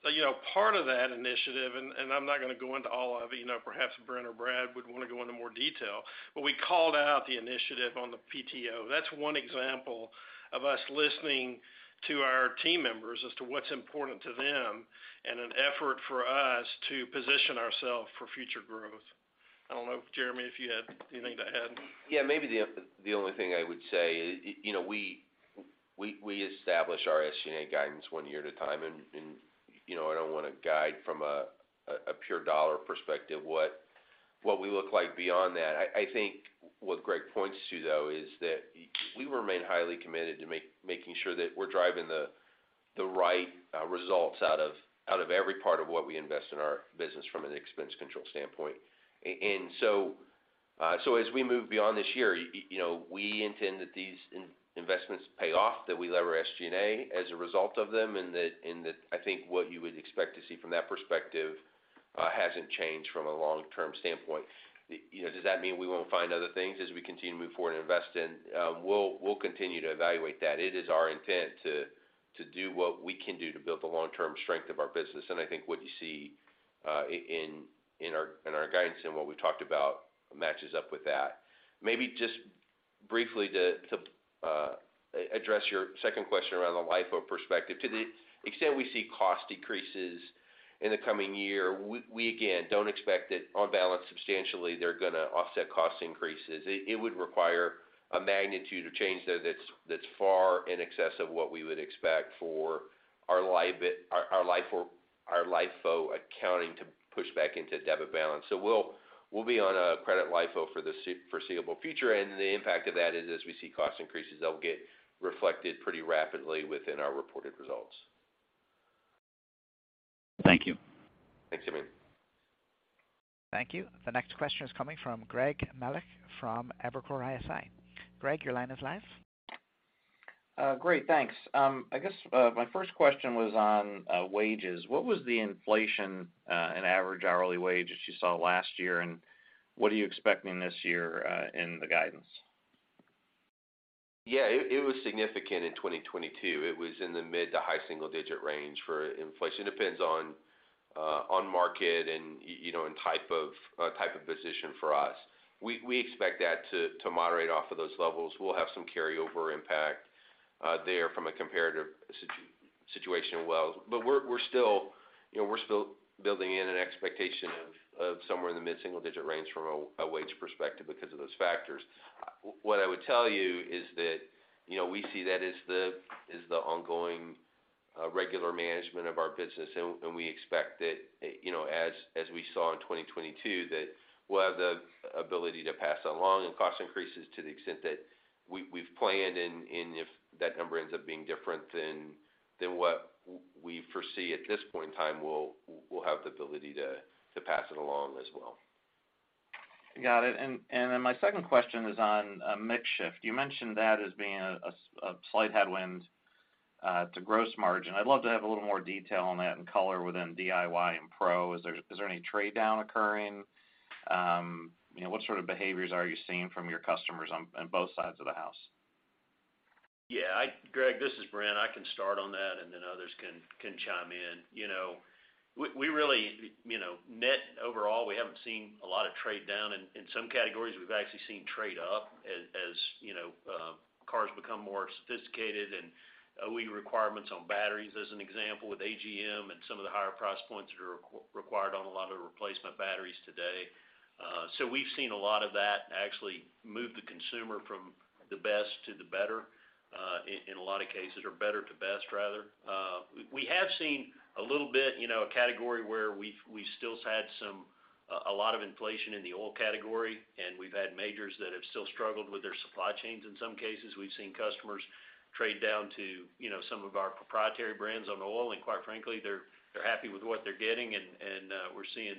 You know, part of that initiative, and I'm not gonna go into all of it, you know, perhaps Brent or Brad would want to go into more detail, but we called out the initiative on the PTO. That's one example of us listening to our team members as to what's important to them and an effort for us to position ourselves for future growth. I don't know, Jeremy, if you had anything to add. Yeah, maybe the only thing I would say, you know, we establish our SG&A guidance one year at a time. You know, I don't want to guide from a pure dollar perspective what we look like beyond that. I think what Greg points to, though, is that we remain highly committed to making sure that we're driving the right results out of every part of what we invest in our business from an expense control standpoint. As we move beyond this year, you know, we intend that these investments pay off, that we lever SG&A as a result of them, and that I think what you would expect to see from that perspective hasn't changed from a long-term standpoint. You know, does that mean we won't find other things as we continue to move forward and invest in? We'll continue to evaluate that. It is our intent to do what we can do to build the long-term strength of our business. I think what you see in our guidance and what we talked about matches up with that. Maybe just briefly to address your second question around the LIFO perspective. To the extent we see cost decreases in the coming year, we again, don't expect that on balance, substantially, they're gonna offset cost increases. It would require a magnitude of change, though, that's far in excess of what we would expect for our LIFO accounting to push back into debit balance. We'll be on a credit LIFO for the foreseeable future, and the impact of that is as we see cost increases, they'll get reflected pretty rapidly within our reported results. Thank you. Thanks, Simeon. Thank you. The next question is coming from Greg Melich from Evercore ISI. Greg, your line is live. Great, thanks. I guess, my first question was on wages. What was the inflation, and average hourly wages you saw last year, and what are you expecting this year, in the guidance? Yeah, it was significant in 2022. It was in the mid- to high single-digit range for inflation. Depends on market and you know, and type of position for us. We expect that to moderate off of those levels. We'll have some carryover impact there from a comparative situation well. We're still, you know, we're still building in an expectation of somewhere in the mid-single digit range from a wage perspective because of those factors. What I would tell you is that, you know, we see that as the ongoing regular management of our business. We expect that, you know, as we saw in 2022, that we'll have the ability to pass along in cost increases to the extent that we've planned. If that number ends up being different than what we foresee at this point in time, we'll have the ability to pass it along as well. Got it. Then my second question is on mix shift. You mentioned that as being a slight headwind to gross margin. I'd love to have a little more detail on that and color within DIY and pro. Is there any trade-down occurring? you know, what sort of behaviors are you seeing from your customers on both sides of the house? Yeah. Greg, this is Brent. I can start on that, then others can chime in. You know, we really, you know, net overall, we haven't seen a lot of trade down. In some categories, we've actually seen trade up as, you know, cars become more sophisticated and OE requirements on batteries, as an example, with AGM and some of the higher price points that are required on a lot of replacement batteries today. We've seen a lot of that actually move the consumer from the best to the better, in a lot of cases or better to best, rather. We have seen a little bit, you know, a category where we've still had some a lot of inflation in the oil category, we've had majors that have still struggled with their supply chains. In some cases, we've seen customers trade down to, you know, some of our proprietary brands on oil, and quite frankly, they're happy with what they're getting and we're seeing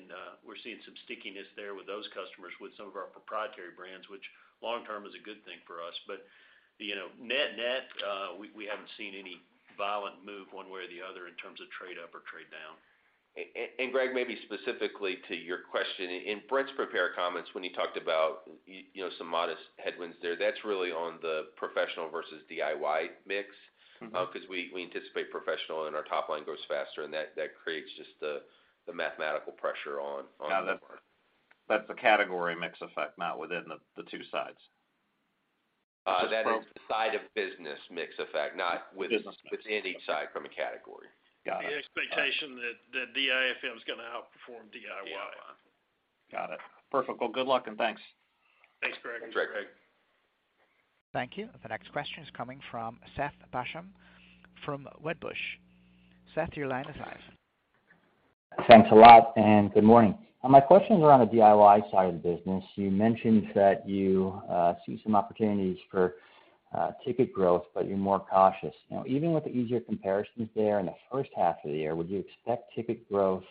some stickiness there with those customers with some of our proprietary brands, which long term is a good thing for us. You know, net, we haven't seen any violent move one way or the other in terms of trade up or trade down. Greg, maybe specifically to your question, in Brent's prepared comments, when he talked about you know, some modest headwinds there, that's really on the professional versus DIY mix. Mm-hmm. 'Cause we anticipate professional and our top line grows faster, and that creates just the mathematical pressure on that part. Now that's a category mix effect, not within the two sides. That is the side of business mix effect, not within- Business mix Within each side from a category. Got it. The expectation that the DIFM is gonna outperform DIY. Yeah. Got it. Perfect. Well, good luck, and thanks. Thanks, Greg. Thanks, Greg. Thank you. The next question is coming from Seth Basham from Wedbush. Seth, your line is live. Thanks a lot, and good morning. My questions are on the DIY side of the business. You mentioned that you see some opportunities for ticket growth, but you're more cautious. Now, even with the easier comparisons there in the first half of the year, would you expect ticket growth,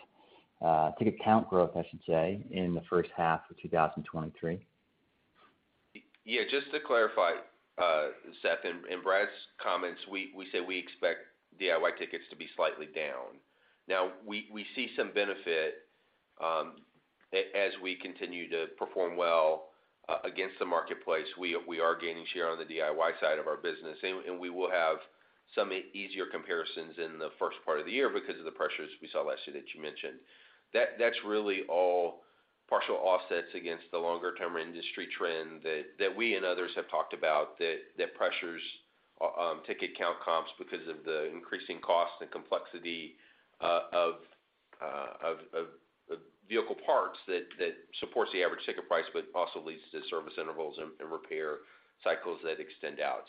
ticket count growth, I should say, in the first half of 2023? Just to clarify, Seth, in Brad's comments, we say we expect DIY tickets to be slightly down. Now we see some benefit as we continue to perform well against the marketplace. We are gaining share on the DIY side of our business, and we will have some easier comparisons in the first part of the year because of the pressures we saw last year that you mentioned. That's really all partial offsets against the longer-term industry trend that we and others have talked about, that pressures ticket count comps because of the increasing cost and complexity of vehicle parts that supports the average ticket price but also leads to service intervals and repair cycles that extend out.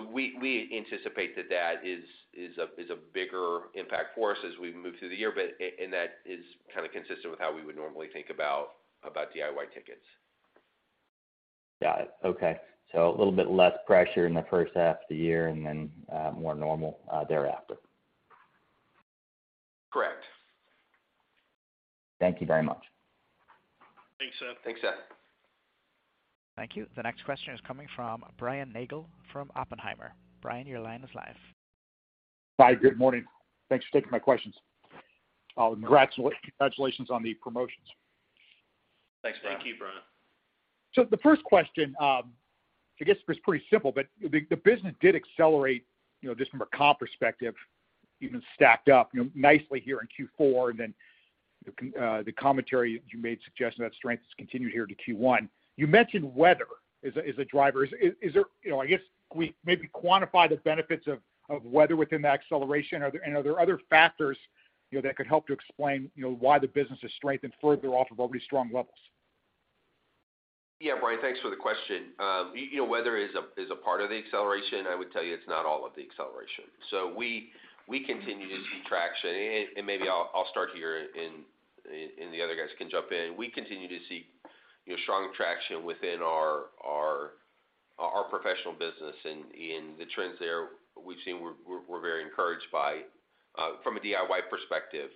We anticipate that is a bigger impact for us as we move through the year. And that is kind of consistent with how we would normally think about DIY tickets. Got it. Okay. A little bit less pressure in the first half of the year and then more normal thereafter. Correct. Thank you very much. Thanks, Seth. Thanks, Seth. Thank you. The next question is coming from Brian Nagel from Oppenheimer. Brian, your line is live. Hi. Good morning. Thanks for taking my questions. congratulations on the promotions. Thanks, Brian. Thank you, Brian. The first question, I guess it was pretty simple, but the business did accelerate, you know, just from a comp perspective, even stacked up, you know, nicely here in Q4. The commentary you made suggested that strength has continued here to Q1. You mentioned weather as a driver. Is there, you know, I guess can we maybe quantify the benefits of weather within the acceleration? Are there other factors, you know, that could help to explain, you know, why the business has strengthened further off of already strong levels? Yeah, Brian, thanks for the question. you know, weather is a, is a part of the acceleration. I would tell you it's not all of the acceleration. We continue to see traction. maybe I'll start here and the other guys can jump in. We continue to see, you know, strong traction within our Our professional business and the trends there we've seen, we're very encouraged by, from a DIY perspective,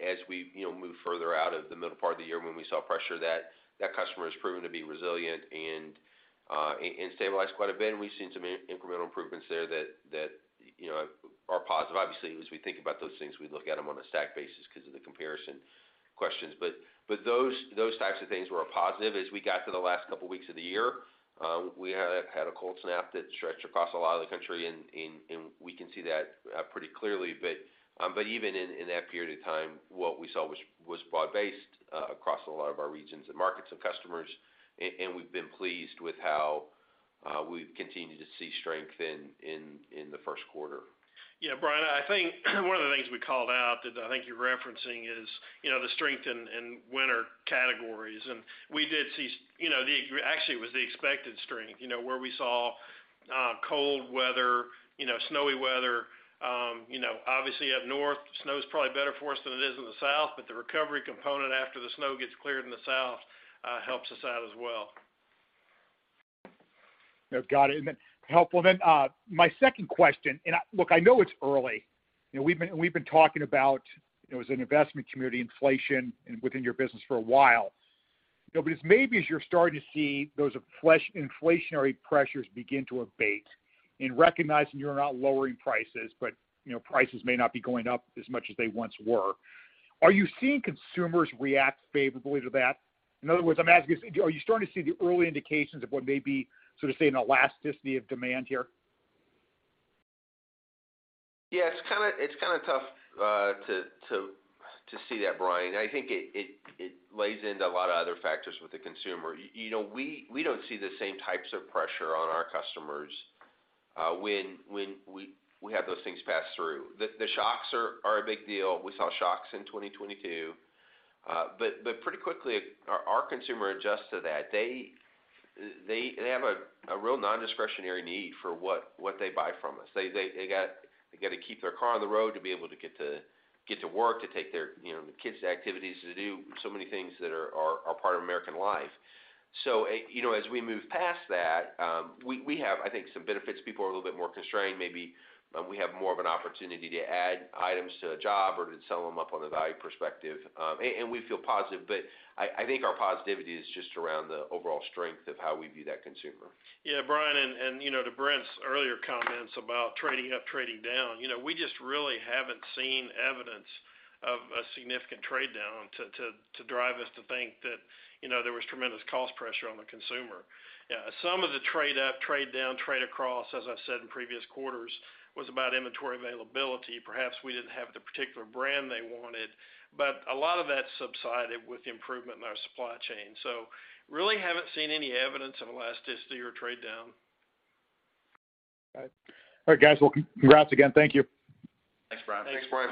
as we, you know, move further out of the middle part of the year when we saw pressure that customer has proven to be resilient and stabilized quite a bit. We've seen some incremental improvements there that, you know, are positive. Obviously, as we think about those things, we look at them on a stack basis because of the comparison questions. Those types of things were a positive. As we got to the last couple weeks of the year, we had a cold snap that stretched across a lot of the country, and we can see that pretty clearly. But even in that period of time, what we saw was broad-based, across a lot of our regions and markets and customers. We've been pleased with how, we've continued to see strength in the first quarter. Yeah, Brian, I think one of the things we called out that I think you're referencing is, you know, the strength in winter categories. Actually, it was the expected strength, you know, where we saw cold weather, you know, snowy weather. You know, obviously up north, snow is probably better for us than it is in the South, the recovery component after the snow gets cleared in the South, helps us out as well. Yeah. Got it. Helpful then, my second question. Look, I know it's early. You know, we've been talking about, it was an investment community inflation within your business for a while. You know, it's maybe as you're starting to see those inflationary pressures begin to abate and recognizing you're not lowering prices, but, you know, prices may not be going up as much as they once were. Are you seeing consumers react favorably to that? In other words, I'm asking, are you starting to see the early indications of what may be, sort of say, an elasticity of demand here? Yeah, it's kinda tough to see that, Brian. I think it lays into a lot of other factors with the consumer. You know, we don't see the same types of pressure on our customers when we have those things pass through. The shocks are a big deal. We saw shocks in 2022. Pretty quickly, our consumer adjusts to that. They have a real nondiscretionary need for what they buy from us. They got to keep their car on the road to be able to get to work, to take their, you know, kids to activities, to do so many things that are part of American life. You know, as we move past that, we have, I think, some benefits. People are a little bit more constrained. Maybe, we have more of an opportunity to add items to a job or to sell them up on a value perspective. And we feel positive, I think our positivity is just around the overall strength of how we view that consumer. Brian, and, you know, to Brent's earlier comments about trading up, trading down, you know, we just really haven't seen evidence of a significant trade down to drive us to think that, you know, there was tremendous cost pressure on the consumer. Some of the trade up, trade down, trade across, as I've said in previous quarters, was about inventory availability. Perhaps we didn't have the particular brand they wanted, but a lot of that subsided with the improvement in our supply chain. Really haven't seen any evidence of elasticity or trade down. Got it. All right, guys. Well, congrats again. Thank you. Thanks, Brian. Thanks, Brian.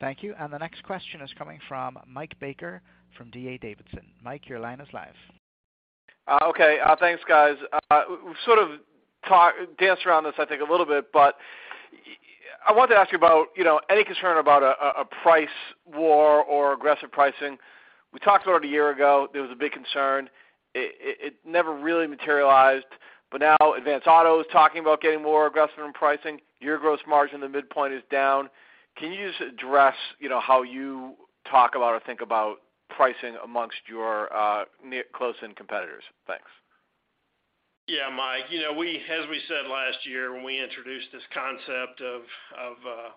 Thank you. The next question is coming from Michael Baker from D.A. Davidson. Mike, your line is live. Okay. Thanks, guys. We've sort of danced around this, I think, a little bit, but I want to ask you about, you know, any concern about a price war or aggressive pricing. We talked about it a year ago. There was a big concern. It never really materialized, but now Advance Auto Parts is talking about getting more aggressive in pricing. Your gross margin, the midpoint is down. Can you just address, you know, how you talk about or think about pricing amongst your near close-in competitors? Thanks. Yeah, Mike. You know, as we said last year, when we introduced this concept of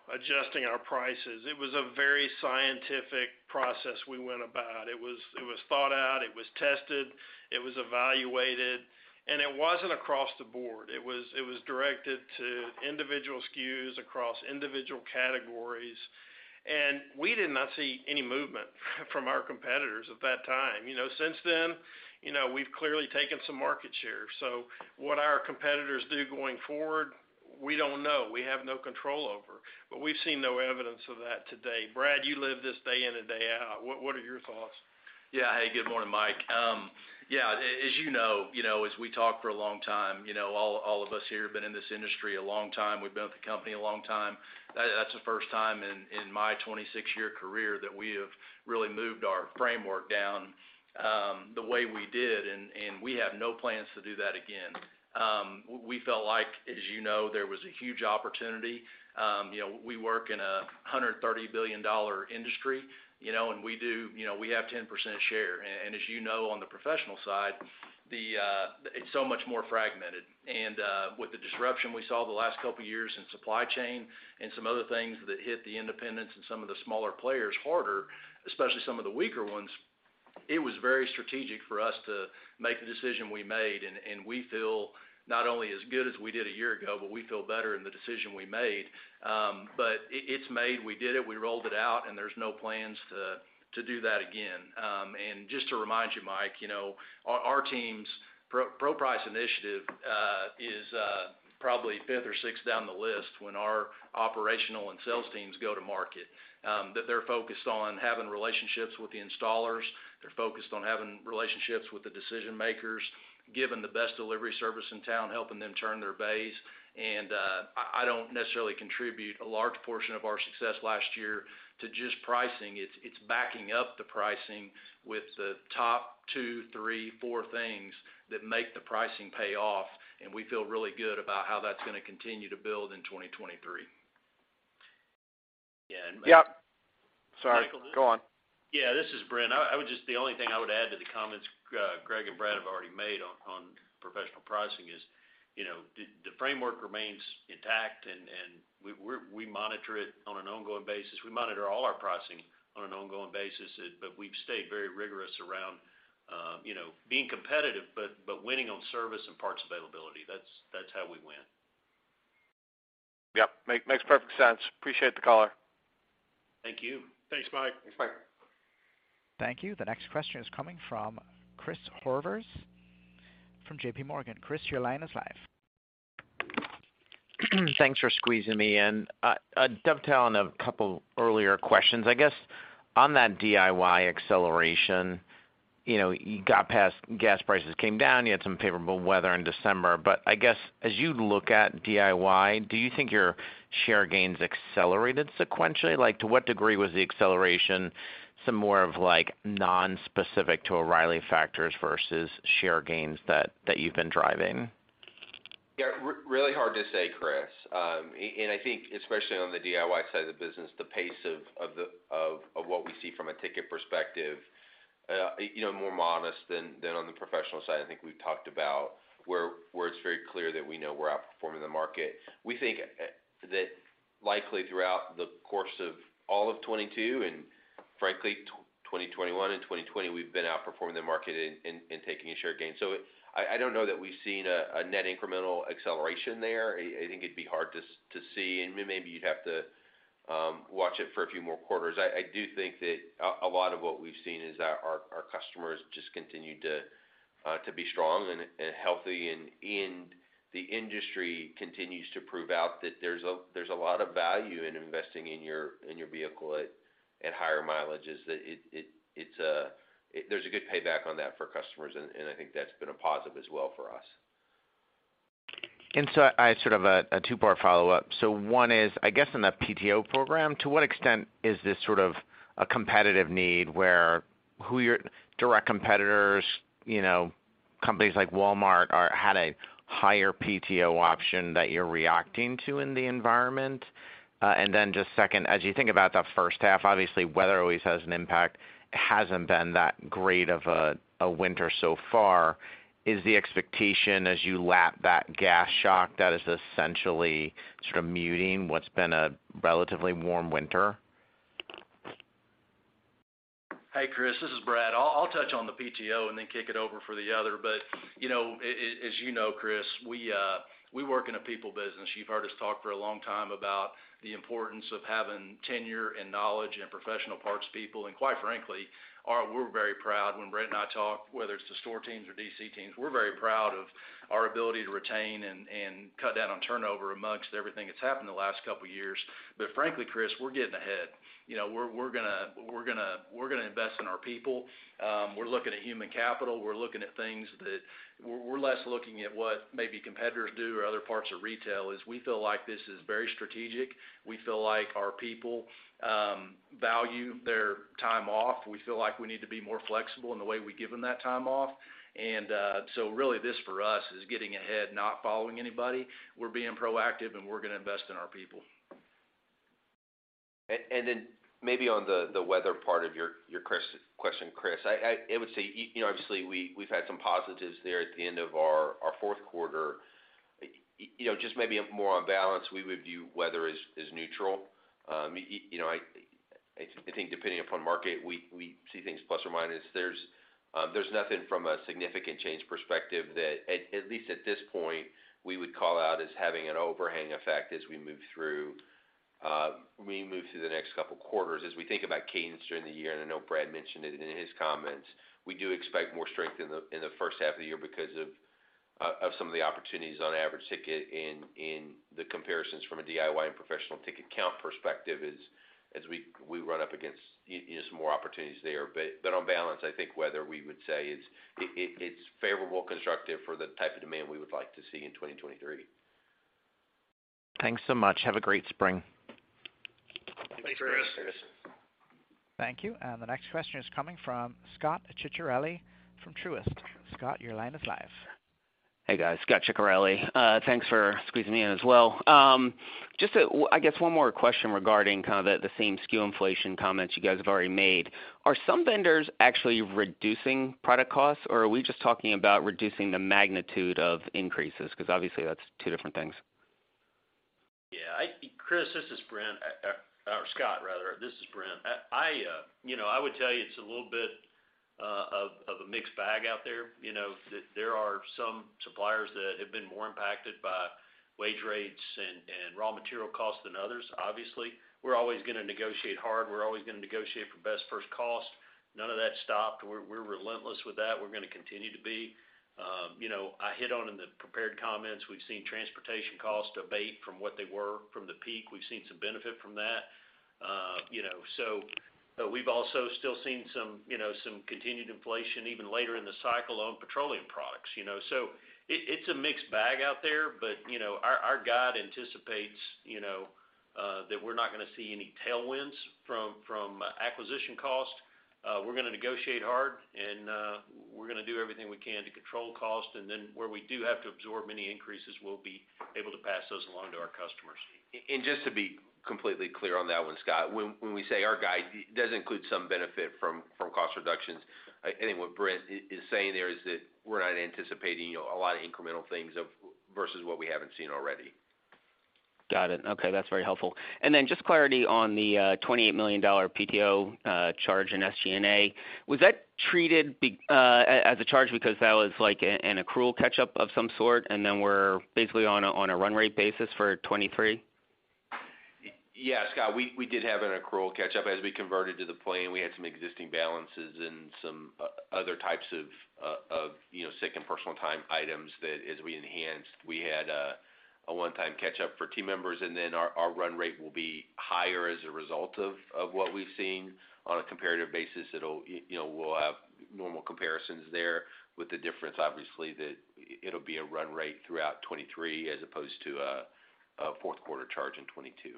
adjusting our prices, it was a very scientific process we went about. It was thought out, it was tested, it was evaluated, and it wasn't across the board. It was directed to individual SKUs across individual categories. We did not see any movement from our competitors at that time. You know, since then, you know, we've clearly taken some market share. What our competitors do going forward, we don't know. We have no control over, but we've seen no evidence of that today. Brad, you live this day in and day out. What are your thoughts? Yeah. Hey, good morning, Mike. Yeah, as you know, you know, as we talk for a long time, you know, all of us here have been in this industry a long time. We've been with the company a long time. That's the first time in my 26-year career that we have really moved our framework down, the way we did, and we have no plans to do that again. We felt like, as you know, there was a huge opportunity. You know, we work in a $130 billion industry, you know, and we have 10% share. As you know, on the professional side, it's so much more fragmented. With the disruption we saw the last couple of years in supply chain and some other things that hit the independents and some of the smaller players harder, especially some of the weaker ones, it was very strategic for us to make the decision we made. We feel not only as good as we did a year ago, but we feel better in the decision we made. It's made, we did it, we rolled it out, and there's no plans to do that again. Just to remind you, Mike, you know, our team's pro-price initiative is probably fifth or sixth down the list when our operational and sales teams go to market. That they're focused on having relationships with the installers. They're focused on having relationships with the decision makers, giving the best delivery service in town, helping them turn their base. I don't necessarily contribute a large portion of our success last year to just pricing. It's backing up the pricing with the top two, three, four things that make the pricing pay off. We feel really good about how that's gonna continue to build in 2023. Yeah. Yep. Sorry, go on. Yeah, this is Brent. I the only thing I would add to the comments Greg and Brad have already made on professional pricing is, you know, the framework remains intact, and we monitor it on an ongoing basis. We monitor all our pricing on an ongoing basis. We've stayed very rigorous around, you know, being competitive but winning on service and parts availability. That's how we win. Yep, makes perfect sense. Appreciate the call. Thank you. Thanks, Mike. Thanks, Mike. Thank you. The next question is coming from Christopher Horvers from JPMorgan. Chris, your line is live. Thanks for squeezing me in. dovetailing a couple earlier questions. I guess on that DIY acceleration, you know, you got past gas prices came down, you had some favorable weather in December. I guess, as you look at DIY, do you think your share gains accelerated sequentially? Like, to what degree was the acceleration some more of, like, nonspecific to O'Reilly factors versus share gains that you've been driving? Yeah, really hard to say, Chris. I think especially on the DIY side of the business, the pace of what we see from a ticket perspective, you know, more modest than on the professional side. I think we've talked about where it's very clear that we know we're outperforming the market. We think that likely throughout the course of all of 2022 and frankly 2021 and 2020, we've been outperforming the market in taking a share gain. I don't know that we've seen a net incremental acceleration there. I think it'd be hard to see, and maybe you'd have to watch it for a few more quarters. I do think that a lot of what we've seen is our customers just continue to be strong and healthy and the industry continues to prove out that there's a lot of value in investing in your vehicle at higher mileages. That there's a good payback on that for customers, and I think that's been a positive as well for us. I have sort of a two-part follow-up. One is, I guess in the PTO program, to what extent is this sort of a competitive need where who your direct competitors, you know, companies like Walmart had a higher PTO option that you're reacting to in the environment? Just second, as you think about the first half, obviously weather always has an impact. It hasn't been that great of a winter so far. Is the expectation as you lap that gas shock that is essentially sort of muting what's been a relatively warm winter? Hey, Chris, this is Brad. I'll touch on the PTO and then kick it over for the other. You know, as you know, Chris, we work in a people business. You've heard us talk for a long time about the importance of having tenure and knowledge and professional parts people. Quite frankly, our... we're very proud when Brent and I talk, whether it's the store teams or DC teams, we're very proud of our ability to retain and cut down on turnover amongst everything that's happened in the last couple of years. Frankly, Chris, we're getting ahead. You know, we're gonna invest in our people. We're looking at human capital. We're looking at things that... We're less looking at what maybe competitors do or other parts of retail is we feel like this is very strategic. We feel like our people value their time off. We feel like we need to be more flexible in the way we give them that time off. Really this for us is getting ahead, not following anybody. We're being proactive, and we're gonna invest in our people. Then maybe on the weather part of your question, Chris. I would say, you know, obviously we've had some positives there at the end of our fourth quarter. You know, just maybe more on balance, we would view weather as neutral. You know, I think depending upon market, we see things plus or minus. There's nothing from a significant change perspective that at least at this point, we would call out as having an overhang effect as we move through, we move through the next couple quarters. As we think about cadence during the year, I know Brad mentioned it in his comments, we do expect more strength in the first half of the year because of some of the opportunities on average ticket in the comparisons from a DIY and professional ticket count perspective as we run up against, you know, some more opportunities there. On balance, I think weather we would say is, it's favorable, constructive for the type of demand we would like to see in 2023. Thanks so much. Have a great spring. Thanks, Chris. Thanks, Chris. Thank you. The next question is coming from Scot Ciccarelli from Truist. Scot, your line is live. Hey, guys. Scot Ciccarelli. Thanks for squeezing me in as well. I guess one more question regarding kind of the same SKU inflation comments you guys have already made. Are some vendors actually reducing product costs, or are we just talking about reducing the magnitude of increases? Because obviously that's two different things. Yeah. Chris, this is Brent. Or Scot rather, this is Brent. I, you know, I would tell you it's a little bit of a mixed bag out there. You know, there are some suppliers that have been more impacted by wage rates and raw material costs than others. Obviously, we're always gonna negotiate hard. We're always gonna negotiate for best first cost. None of that stopped. We're relentless with that. We're gonna continue to be. You know, I hit on in the prepared comments, we've seen transportation costs abate from what they were from the peak. We've seen some benefit from that. You know, so we've also still seen some, you know, some continued inflation even later in the cycle on petroleum products, you know. It's a mixed bag out there. You know, our guide anticipates, you know, that we're not gonna see any tailwinds from acquisition costs. We're gonna negotiate hard and we're gonna do everything we can to control cost. Where we do have to absorb any increases, we'll be able to pass those along to our customers. Just to be completely clear on that one, Scot, when we say our guide, it does include some benefit from cost reductions. I think what Brent is saying there is that we're not anticipating, you know, a lot of incremental things of versus what we haven't seen already. Got it. Okay, that's very helpful. Just clarity on the $28 million PTO charge in SG&A. Was that treated as a charge because that was like an accrual catch-up of some sort, and then we're basically on a run rate basis for 2023? Yeah, Scot, we did have an accrual catch-up. As we converted to the plan, we had some existing balances and some other types of, you know, sick and personal time items that as we enhanced, we had a one-time catch-up for team members, and then our run rate will be higher as a result of what we've seen on a comparative basis. You know, we'll have normal comparisons there with the difference, obviously, that it'll be a run rate throughout 2023 as opposed to a 4th quarter charge in 2022.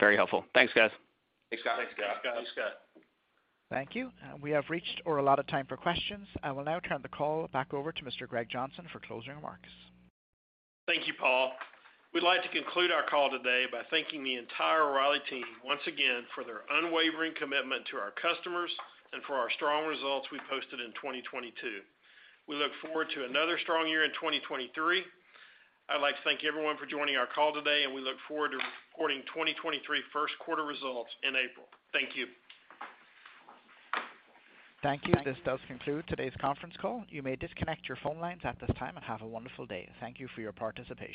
Very helpful. Thanks, guys. Thanks, Scot. Thanks, Scot. Thanks, Scot. Thanks, Scot. Thank you. We have reached or a lot of time for questions. I will now turn the call back over to Mr. Greg Johnson for closing remarks. Thank you, Paul. We'd like to conclude our call today by thanking the entire O'Reilly team once again for their unwavering commitment to our customers and for our strong results we posted in 2022. We look forward to another strong year in 2023. I'd like to thank everyone for joining our call today. We look forward to reporting 2023 first quarter results in April. Thank you. Thank you. This does conclude today's conference call. You may disconnect your phone lines at this time and have a wonderful day. Thank you for your participation.